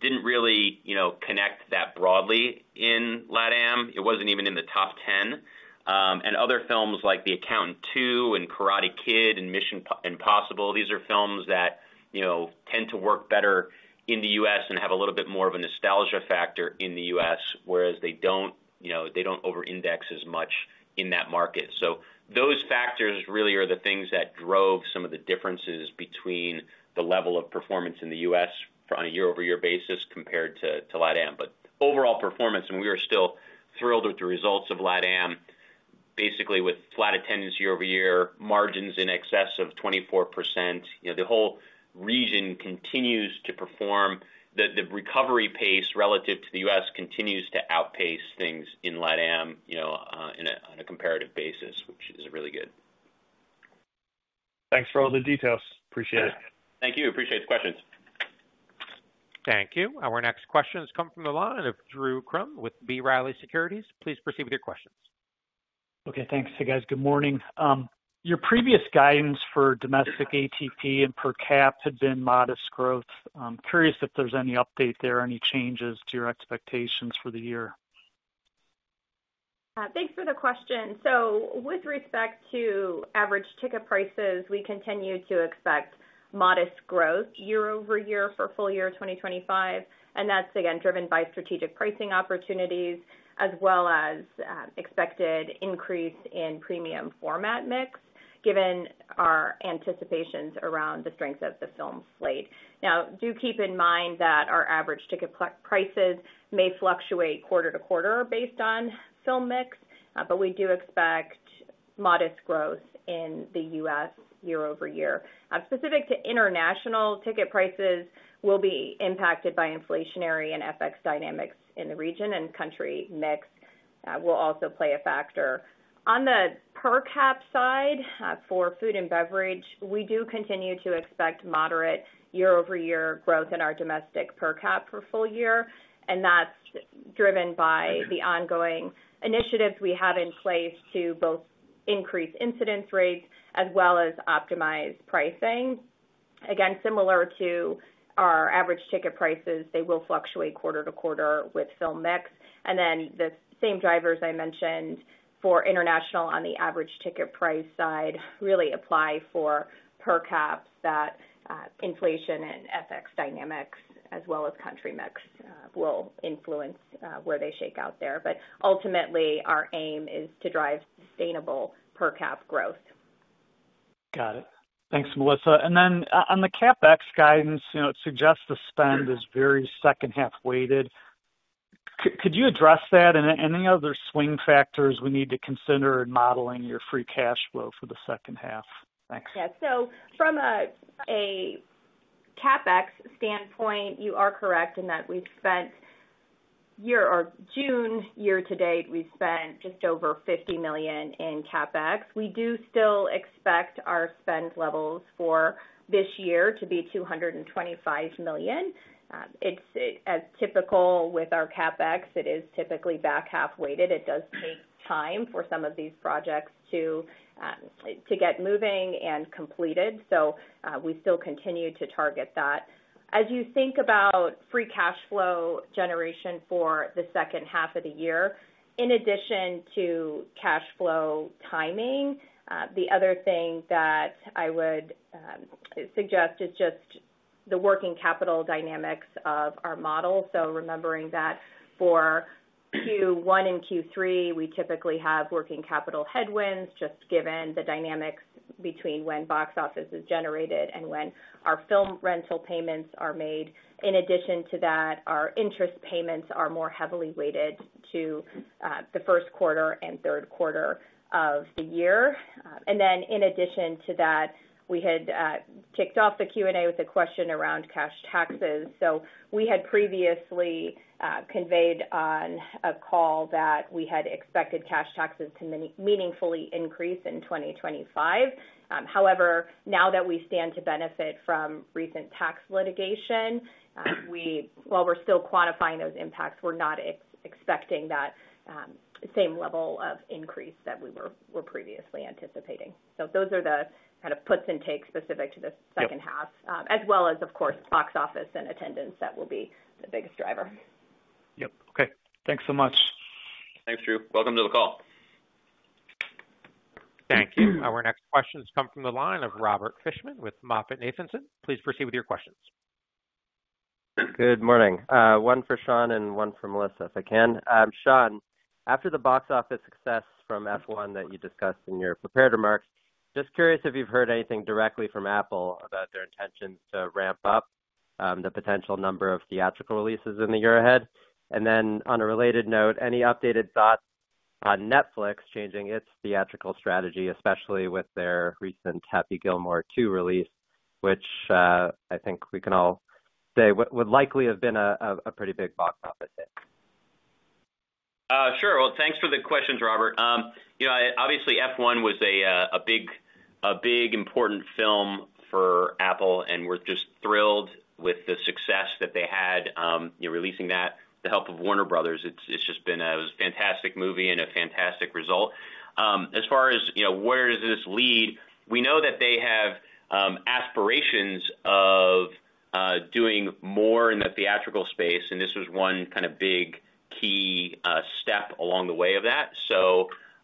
didn't really connect that broadly in LATAM. It wasn't even in the top 10. Other films like The Accountant 2 and Karate Kid and Mission Impossible tend to work better in the U.S. and have a little bit more of a nostalgia factor in the U.S., whereas they don't over-index as much in that market. Those factors really are the things that drove some of the differences between the level of performance in the U.S. on a year-over-year basis compared to LATAM. Overall performance, and we are still thrilled with the results of LATAM, basically, with flat attendance year-over-year, margins in excess of 24%. The whole region continues to perform. The recovery pace relative to the U.S. continues to outpace things in LATAM on a comparative basis, which is really good. Thanks for all the details. Appreciate it. Thank you. Appreciate the questions. Thank you. Our next questions come from the line of Drew Crumb with B. Riley Securities. Please proceed with your questions. Okay. Thanks. Hey guys, good morning. Your previous guidance for domestic ATP and per cap had been modest growth. I'm curious if there's any update there or any changes to your expectations for the year. Thanks for the question. With respect to average ticket prices, we continue to expect modest growth year over year for full year 2025. That's, again, driven by strategic pricing opportunities, as well as an expected increase in premium format mix, given our anticipations around the strength of the film slate. Do keep in mind that our average ticket prices may fluctuate quarter to quarter based on film mix, but we do expect modest growth in the U.S. year-over-year. Specific to international ticket prices, we'll be impacted by inflationary and FX dynamics in the region, and country mix will also play a factor. On the per cap side for food and beverage, we do continue to expect moderate year-over-year growth in our domestic per cap for full year. That's driven by the ongoing initiatives we have in place to both increase incidence rates as well as optimize pricing. Similar to our average ticket prices, they will fluctuate quarter to quarter with film mix. The same drivers I mentioned for international on the average ticket price side really apply for per caps, that inflation and FX dynamics, as well as country mix, will influence where they shake out there. Ultimately, our aim is to drive sustainable per cap growth. Got it. Thanks, Melissa. On the CapEx guidance, it suggests the spend is very second-half weighted. Could you address that and any other swing factors we need to consider in modeling your free cash flow for the second half? Thanks. Yeah. From a CapEx standpoint, you are correct in that we've spent year or June year to date, we've spent just over $50 million in CapEx. We do still expect our spend levels for this year to be $225 million. As typical with our CapEx, it is typically back half weighted. It does take time for some of these projects to get moving and completed. We still continue to target that. As you think about free cash flow generation for the second half of the year, in addition to cash flow timing, the other thing that I would suggest is just the working capital dynamics of our model. Remembering that for Q1 and Q3, we typically have working capital headwinds, just given the dynamics between when box office is generated and when our film rental payments are made. In addition to that, our interest payments are more heavily weighted to the first quarter and third quarter of the year. In addition to that, we had kicked off the Q&A with a question around cash taxes. We had previously conveyed on a call that we had expected cash taxes to meaningfully increase in 2025. However, now that we stand to benefit from recent tax litigation, while we're still quantifying those impacts, we're not expecting that same level of increase that we were previously anticipating. Those are the kind of puts and takes specific to the second half, as well as, of course, box office and attendance that will be the biggest driver. Yep. Okay. Thanks so much. Thanks, Drew. Welcome to the call. Thank you. Our next questions come from the line of Robert Fishman with MoffettNathanson. Please proceed with your questions. Good morning. One for Sean and one for Melissa, if I can. Sean, after the box office success from F1 that you discussed in your prepared remarks, just curious if you've heard anything directly from Apple about their intentions to ramp up the potential number of theatrical releases in the year ahead. On a related note, any updated thoughts on Netflix changing its theatrical strategy, especially with their recent Happy Gilmore 2 release, which I think we can all say would likely have been a pretty big box office hit? Sure. Thanks for the questions, Robert. Obviously, F1 was a big, important film for Apple, and we're just thrilled with the success that they had releasing that with the help of Warner Brothers. It's just been a fantastic movie and a fantastic result. As far as where does this lead, we know that they have aspirations of doing more in the theatrical space, and this was one kind of big key step along the way of that.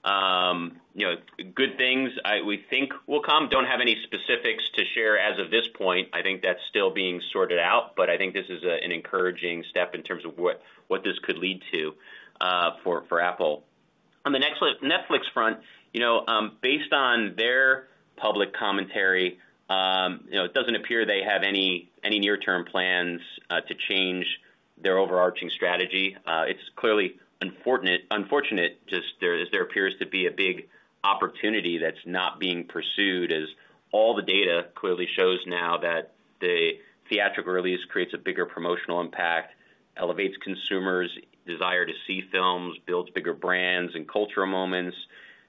Good things, we think, will come. I don't have any specifics to share as of this point. I think that's still being sorted out, but I think this is an encouraging step in terms of what this could lead to for Apple. On the Netflix front, based on their public commentary, it doesn't appear they have any near-term plans to change their overarching strategy. It's clearly unfortunate just as there appears to be a big opportunity that's not being pursued, as all the data clearly shows now that the theatrical release creates a bigger promotional impact, elevates consumers' desire to see films, builds bigger brands and cultural moments,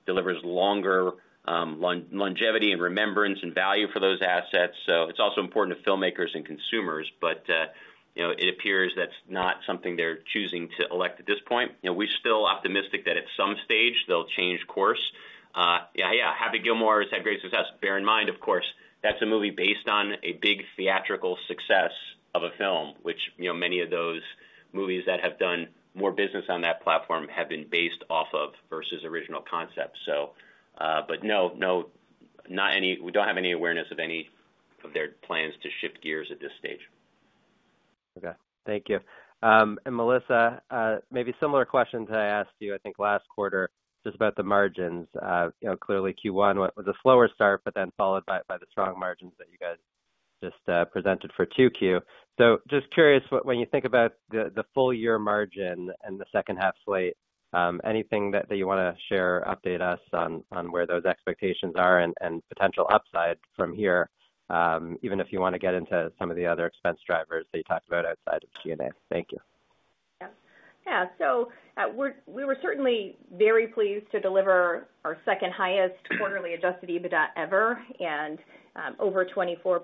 delivers longer longevity and remembrance and value for those assets. It's also important to filmmakers and consumers, but it appears that's not something they're choosing to elect at this point. We're still optimistic that at some stage, they'll change course. Yeah, Happy Gilmore has had great success. Bear in mind, of course, that's a movie based on a big theatrical success of a film, which many of those movies that have done more business on that platform have been based off of versus original concepts. We don't have any awareness of any of their plans to shift gears at this stage. Thank you. Melissa, maybe a similar question to I asked you, I think last quarter, just about the margins. Clearly, Q1 was a slower start, but then followed by the strong margins that you guys just presented for Q2. I am just curious, when you think about the full-year margin and the second-half slate, is there anything that you want to share or update us on where those expectations are and potential upside from here, even if you want to get into some of the other expense drivers that you talked about outside of G&A? Thank you. Yeah. Yeah. We were certainly very pleased to deliver our second highest quarterly adjusted EBITDA ever and over 24%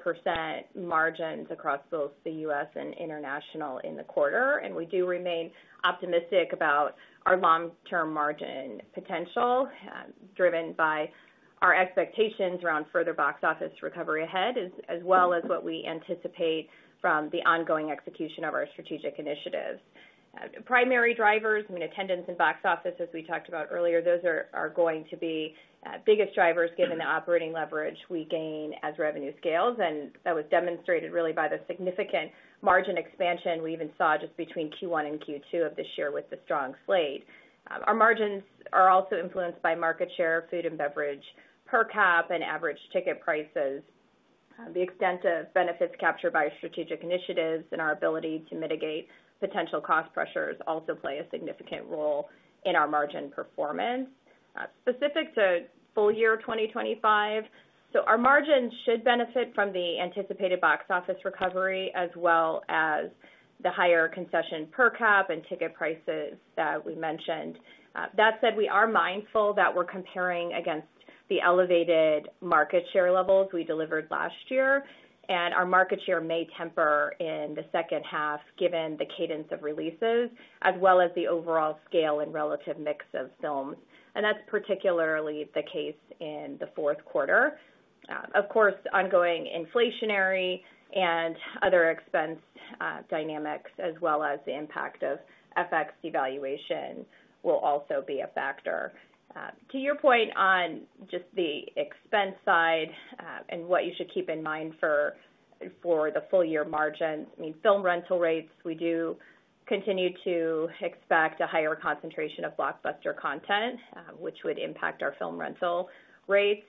margins across both the U.S. and international in the quarter. We do remain optimistic about our long-term margin potential, driven by our expectations around further box office recovery ahead, as well as what we anticipate from the ongoing execution of our strategic initiatives. Primary drivers, I mean, attendance and box office, as we talked about earlier, those are going to be the biggest drivers given the operating leverage we gain as revenue scales. That was demonstrated really by the significant margin expansion we even saw just between Q1 and Q2 of this year with the strong slate. Our margins are also influenced by market share, food and beverage per cap, and average ticket prices. The extent of benefits captured by strategic initiatives and our ability to mitigate potential cost pressures also play a significant role in our margin performance specific to full year 2025. Our margins should benefit from the anticipated box office recovery, as well as the higher concession per cap and ticket prices that we mentioned. That said, we are mindful that we're comparing against the elevated market share levels we delivered last year. Our market share may temper in the second half given the cadence of releases, as well as the overall scale and relative mix of films. That's particularly the case in the fourth quarter. Of course, ongoing inflationary and other expense dynamics, as well as the impact of FX devaluation, will also be a factor. To your point on just the expense side and what you should keep in mind for the full-year margins, I mean, film rental rates, we do continue to expect a higher concentration of blockbuster content, which would impact our film rental rates.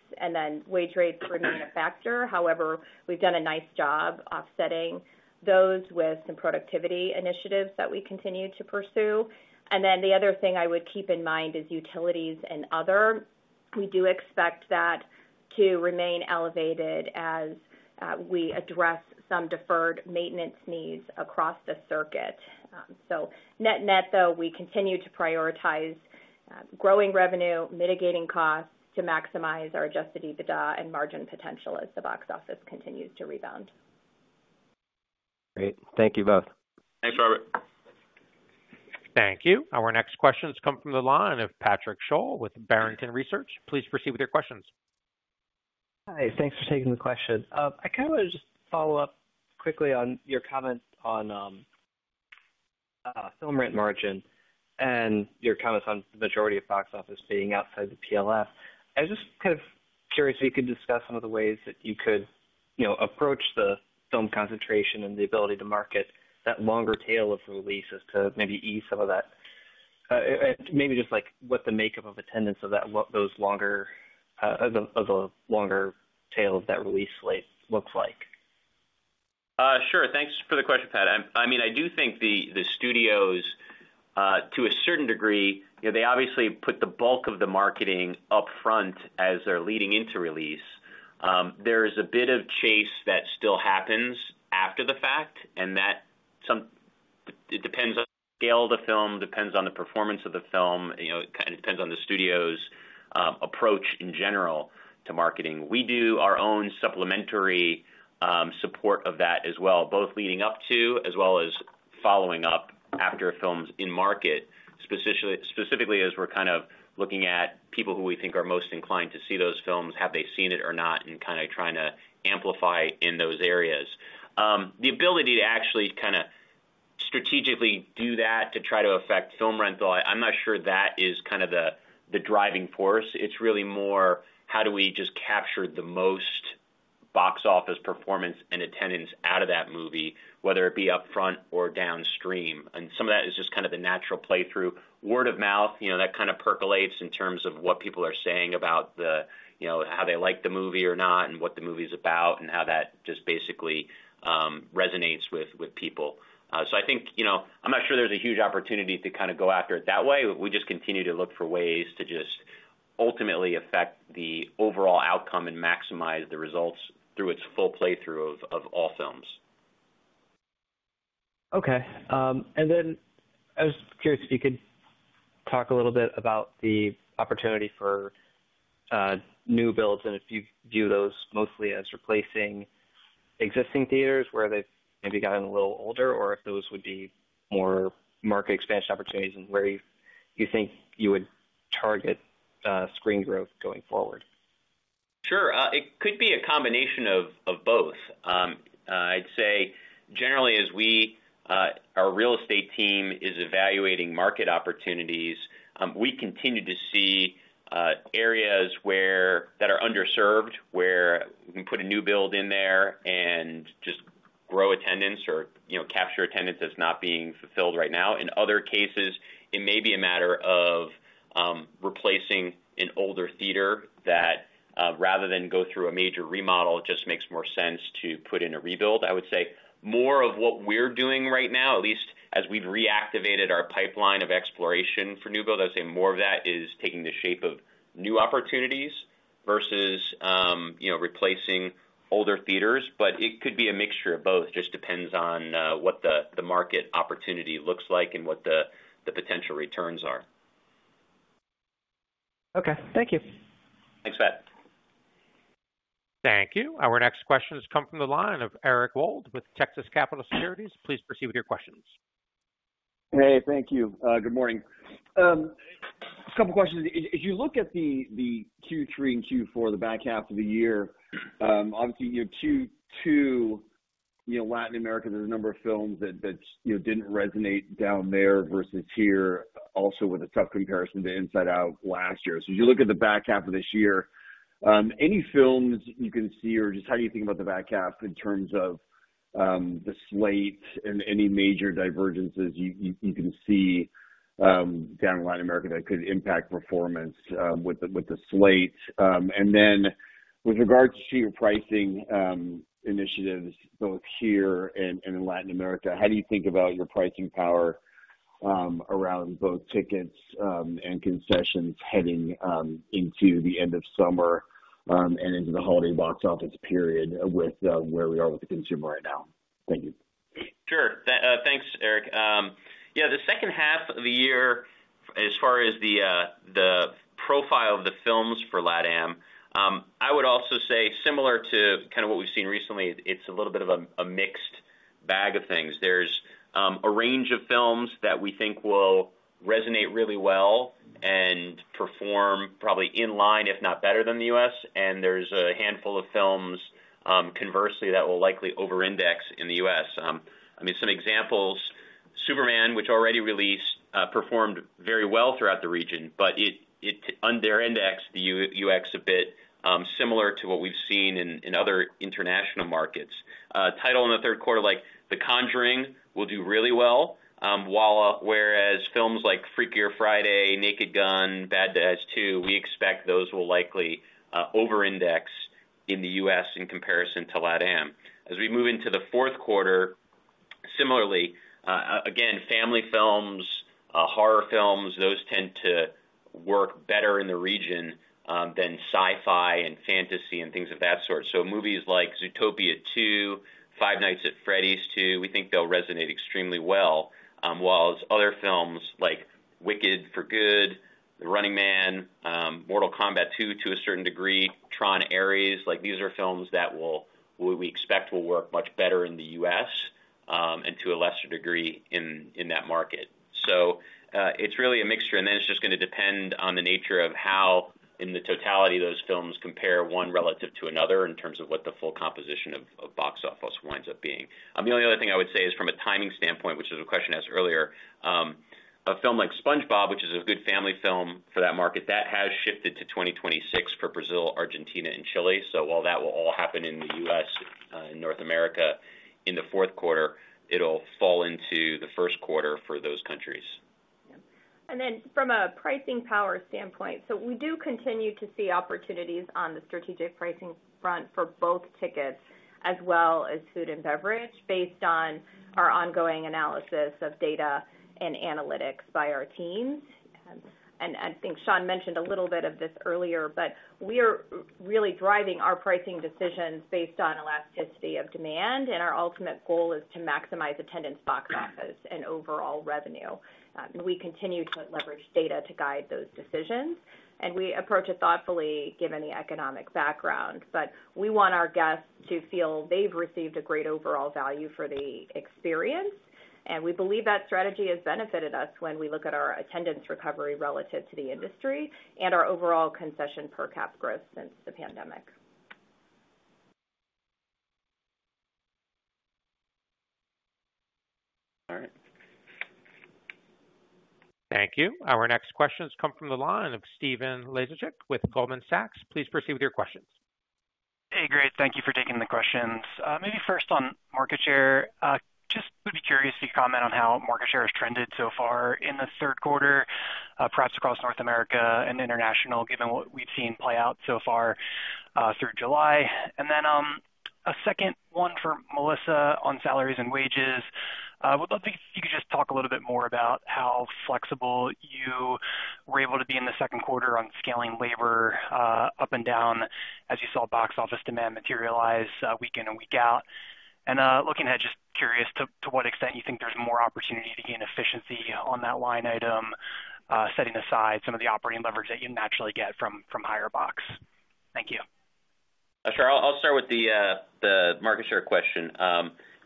Wage rates remain a factor. However, we've done a nice job offsetting those with some productivity initiatives that we continue to pursue. The other thing I would keep in mind is utilities and other. We do expect that to remain elevated as we address some deferred maintenance needs across the circuit. Net-net, though, we continue to prioritize growing revenue, mitigating costs to maximize our adjusted EBITDA and margin potential as the box office continues to rebound. Great. Thank you both. Thanks, Robert. Thank you. Our next questions come from the line of Patrick Sholl with Barrington Research. Please proceed with your questions. Hi. Thanks for taking the question. I want to just follow up quickly on your comment on film rent margin and your comments on the majority of box office being outside the PLF. I was just curious if you could discuss some of the ways that you could approach the film concentration and the ability to market that longer tail of releases to maybe ease some of that and maybe just what the makeup of attendance of those longer tail of that release slate looks like. Sure. Thanks for the question, Pat. I mean, I do think the studios, to a certain degree, obviously put the bulk of the marketing upfront as they're leading into release. There is a bit of chase that still happens after the fact, and that depends on the scale of the film, depends on the performance of the film, and it depends on the studio's approach in general to marketing. We do our own supplementary support of that as well, both leading up to as well as following up after a film's in market, specifically as we're kind of looking at people who we think are most inclined to see those films, have they seen it or not, and kind of trying to amplify in those areas. The ability to actually kind of strategically do that to try to affect film rental, I'm not sure that is kind of the driving force. It's really more, how do we just capture the most box office performance and attendance out of that movie, whether it be upfront or downstream? Some of that is just kind of the natural playthrough, word of mouth, you know, that kind of percolates in terms of what people are saying about how they like the movie or not and what the movie is about and how that just basically resonates with people. I think, you know, I'm not sure there's a huge opportunity to kind of go after it that way. We just continue to look for ways to just ultimately affect the overall outcome and maximize the results through its full playthrough of all films. Okay. I was curious if you could talk a little bit about the opportunity for new builds and if you view those mostly as replacing existing theaters where they've maybe gotten a little older or if those would be more market expansion opportunities and where you think you would target screen growth going forward. Sure. It could be a combination of both. I'd say generally, as our real estate team is evaluating market opportunities, we continue to see areas that are underserved, where we can put a new build in there and just grow attendance or capture attendance that's not being fulfilled right now. In other cases, it may be a matter of replacing an older theater that, rather than go through a major remodel, it just makes more sense to put in a rebuild. I would say more of what we're doing right now, at least as we've reactivated our pipeline of exploration for new builds, is taking the shape of new opportunities versus replacing older theaters. It could be a mixture of both. It just depends on what the market opportunity looks like and what the potential returns are. Okay, thank you. Thanks, Pat. Thank you. Our next questions come from the line of Eric Wold with Texas Capital Securities. Please proceed with your questions. Hey, thank you. Good morning. A couple of questions. As you look at Q3 and Q4, the back half of the year, obviously, you know, Q2, Latin America, there's a number of films that didn't resonate down there versus here, also with a tough comparison to Inside Out last year. As you look at the back half of this year, any films you can see or just how do you think about the back half in terms of the slate and any major divergences you can see down in Latin America that could impact performance with the slate? With regard to your pricing initiatives, both here and in Latin America, how do you think about your pricing power around both tickets and concessions heading into the end of summer and into the holiday box office period with where we are with the consumer right now? Thank you. Sure. Thanks, Eric. The second half of the year, as far as the profile of the films for LATAM, I would also say similar to kind of what we've seen recently, it's a little bit of a mixed bag of things. There's a range of films that we think will resonate really well and perform probably in line, if not better, than the U.S. There's a handful of films, conversely, that will likely over-index in the U.S. Some examples, Superman, which already released, performed very well throughout the region, but it under-indexed the U.S. a bit, similar to what we've seen in other international markets. A title in the third quarter like The Conjuring will do really well, whereas films like Freaky Friday, Naked Gun, Bad Dads 2, we expect those will likely over-index in the U.S. in comparison to LATAM. As we move into the fourth quarter, similarly, again, family films, horror films, those tend to work better in the region than sci-fi and fantasy and things of that sort. Movies like Zootopia 2, Five Nights at Freddy's 2, we think they'll resonate extremely well, while other films like Wicked for Good, The Running Man, Mortal Kombat II to a certain degree, Tron: Ares, these are films that we expect will work much better in the U.S. and to a lesser degree in that market. It's really a mixture, and it's just going to depend on the nature of how, in the totality, those films compare one relative to another in terms of what the full composition of box office winds up being. The only other thing I would say is from a timing standpoint, which is a question asked earlier, a film like SpongeBob, which is a good family film for that market, has shifted to 2026 for Brazil, Argentina, and Chile. While that will all happen in the U.S. and North America in the fourth quarter, it'll fall into the first quarter for those countries. From a pricing power standpoint, we do continue to see opportunities on the strategic pricing front for both tickets as well as food and beverage based on our ongoing analysis of data and analytics by our teams. I think Sean mentioned a little bit of this earlier. We are really driving our pricing decisions based on elasticity of demand, and our ultimate goal is to maximize attendance, box office, and overall revenue. We continue to leverage data to guide those decisions, and we approach it thoughtfully given the economic background. We want our guests to feel they've received a great overall value for the experience, and we believe that strategy has benefited us when we look at our attendance recovery relative to the industry and our overall concession per cap growth since the pandemic. Thank you. Our next questions come from the line of Stephen Laszczyk with Goldman Sachs. Please proceed with your questions. Hey, great. Thank you for taking the questions. Maybe first on market share, just would be curious if you could comment on how market share has trended so far in the third quarter, perhaps across North America and international, given what we've seen play out so far through July. A second one for Melissa on salaries and wages. I would love if you could just talk a little bit more about how flexible you were able to be in the second quarter on scaling labor up and down as you saw box office demand materialize week in and week out. Looking ahead, just curious to what extent you think there's more opportunity to gain efficiency on that line item, setting aside some of the operating leverage that you naturally get from higher box. Thank you. Sure. I'll start with the market share question.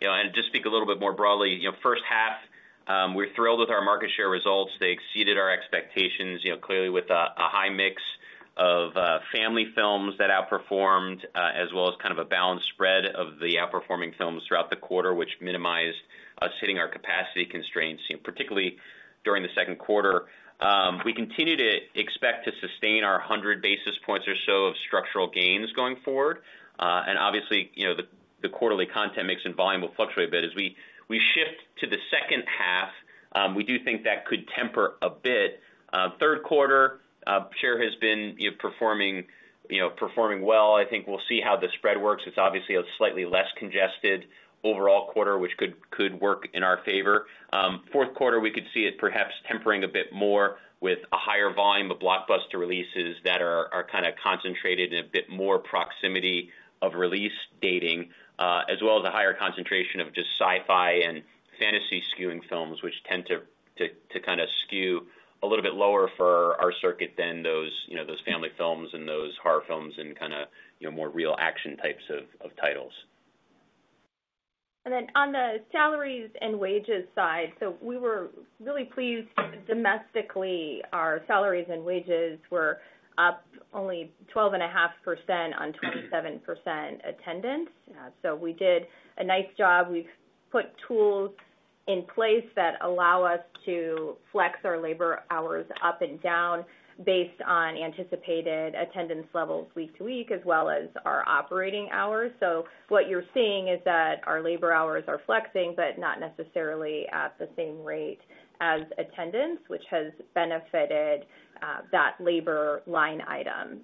To speak a little bit more broadly, first half, we're thrilled with our market share results. They exceeded our expectations, clearly with a high mix of family films that outperformed, as well as kind of a balanced spread of the outperforming films throughout the quarter, which minimized us hitting our capacity constraints, particularly during the second quarter. We continue to expect to sustain our 100 basis points or so of structural gains going forward. Obviously, the quarterly content mix and volume will fluctuate a bit as we shift to the second half. We do think that could temper a bit. Third quarter, share has been performing well. I think we'll see how the spread works. It's obviously a slightly less congested overall quarter, which could work in our favor. Fourth quarter, we could see it perhaps tempering a bit more with a higher volume of blockbuster releases that are kind of concentrated in a bit more proximity of release dating, as well as a higher concentration of just sci-fi and fantasy skewing films, which tend to kind of skew a little bit lower for our circuit than those family films and those horror films and kind of more real action types of titles. On the salaries and wages side, we were really pleased domestically. Our salaries and wages were up only 12.5% on 27% attendance. We did a nice job. We've put tools in place that allow us to flex our labor hours up and down based on anticipated attendance levels week to week, as well as our operating hours. What you're seeing is that our labor hours are flexing, but not necessarily at the same rate as attendance, which has benefited that labor line item.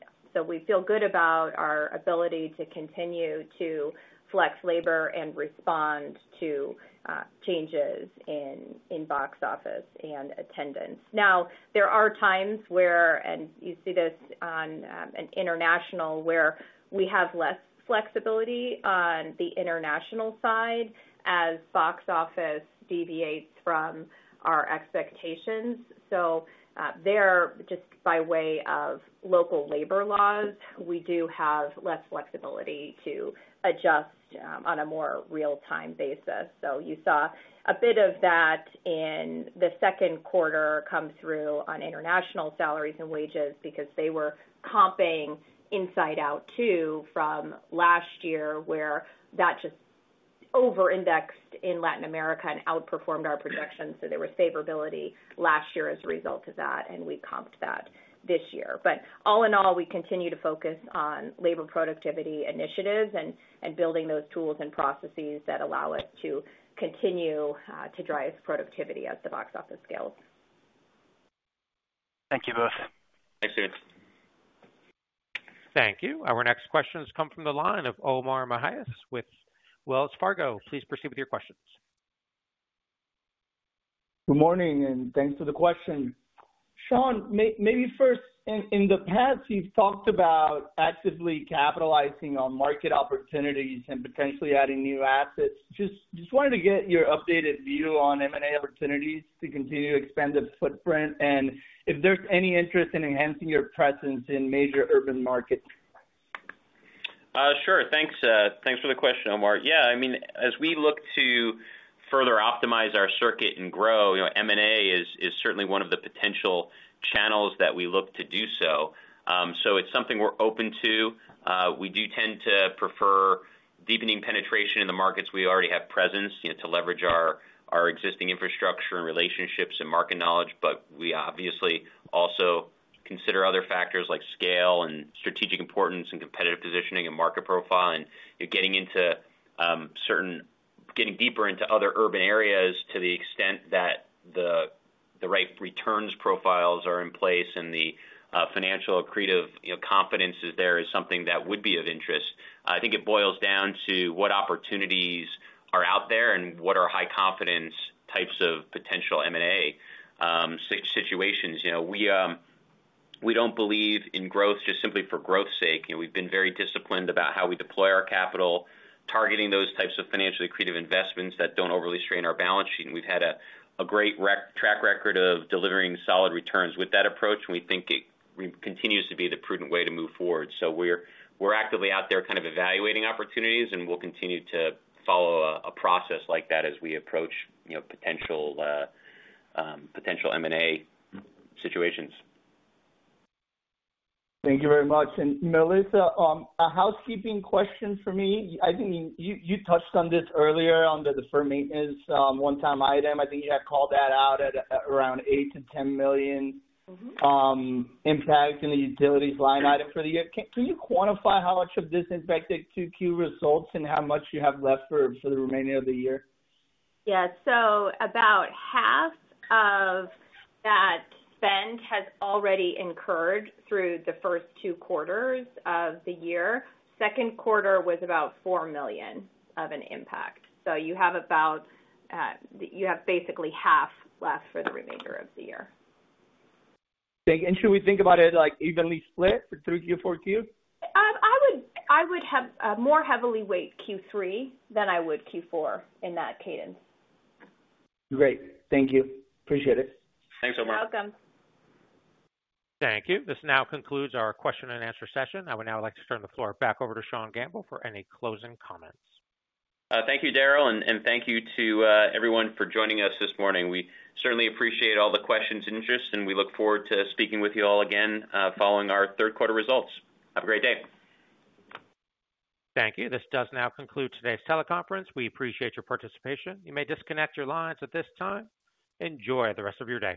We feel good about our ability to continue to flex labor and respond to changes in box office and attendance. There are times where, and you see this on an international, where we have less flexibility on the international side as box office deviates from our expectations. There, just by way of local labor laws, we do have less flexibility to adjust on a more real-time basis. You saw a bit of that in the second quarter come through on international salaries and wages because they were comping inside out too from last year, where that just over-indexed in Latin America and outperformed our projections. There was favorability last year as a result of that, and we comped that this year. All in all, we continue to focus on labor productivity initiatives and building those tools and processes that allow us to continue to drive productivity at the box office scales. Thank you both. Thanks, Steven. Thank you. Our next questions come from the line of Omar Mejias with Wells Fargo. Please proceed with your questions. Good morning, and thanks for the question. Sean, maybe first, in the past, you've talked about actively capitalizing on market opportunities and potentially adding new assets. Just wanted to get your updated view on M&A opportunities to continue to expand the footprint and if there's any interest in enhancing your presence in major urban markets. Sure. Thanks for the question, Omar. As we look to further optimize our circuit and grow, M&A is certainly one of the potential channels that we look to do so. It's something we're open to. We do tend to prefer deepening penetration in the markets we already have presence to leverage our existing infrastructure and relationships and market knowledge. We obviously also consider other factors like scale and strategic importance and competitive positioning and market profile. Getting deeper into other urban areas to the extent that the right returns profiles are in place and the financial creative confidence is there is something that would be of interest. I think it boils down to what opportunities are out there and what are high-confidence types of potential M&A situations. We don't believe in growth just simply for growth's sake. We've been very disciplined about how we deploy our capital, targeting those types of financially creative investments that don't overly strain our balance sheet. We've had a great track record of delivering solid returns with that approach, and we think it continues to be the prudent way to move forward. We're actively out there evaluating opportunities, and we'll continue to follow a process like that as we approach potential M&A situations. Thank you very much. Melissa, a housekeeping question for me. I think you touched on this earlier on the deferred maintenance one-time item. I think you had called that out at around $8 million-$10 million impact in the utilities line item for the year. Can you quantify how much of this impacted Q2 results and how much you have left for the remainder of the year? About half of that spend has already incurred through the first two quarters of the year. The second quarter was about $4 million of an impact. You have basically half left for the remainder of the year. Thank you. Should we think about it like evenly split for Q3, Q4? I would have more heavily weighed Q3 than I would Q4 in that cadence. Great. Thank you. Appreciate it. Thanks, Omar. You're welcome. Thank you. This now concludes our question-and-answer session. I would now like to turn the floor back over to Sean Gamble for any closing comments. Thank you, Daryl, and thank you to everyone for joining us this morning. We certainly appreciate all the questions and interest, and we look forward to speaking with you all again following our third-quarter results. Have a great day. Thank you. This does now conclude today's teleconference. We appreciate your participation. You may disconnect your lines at this time. Enjoy the rest of your day.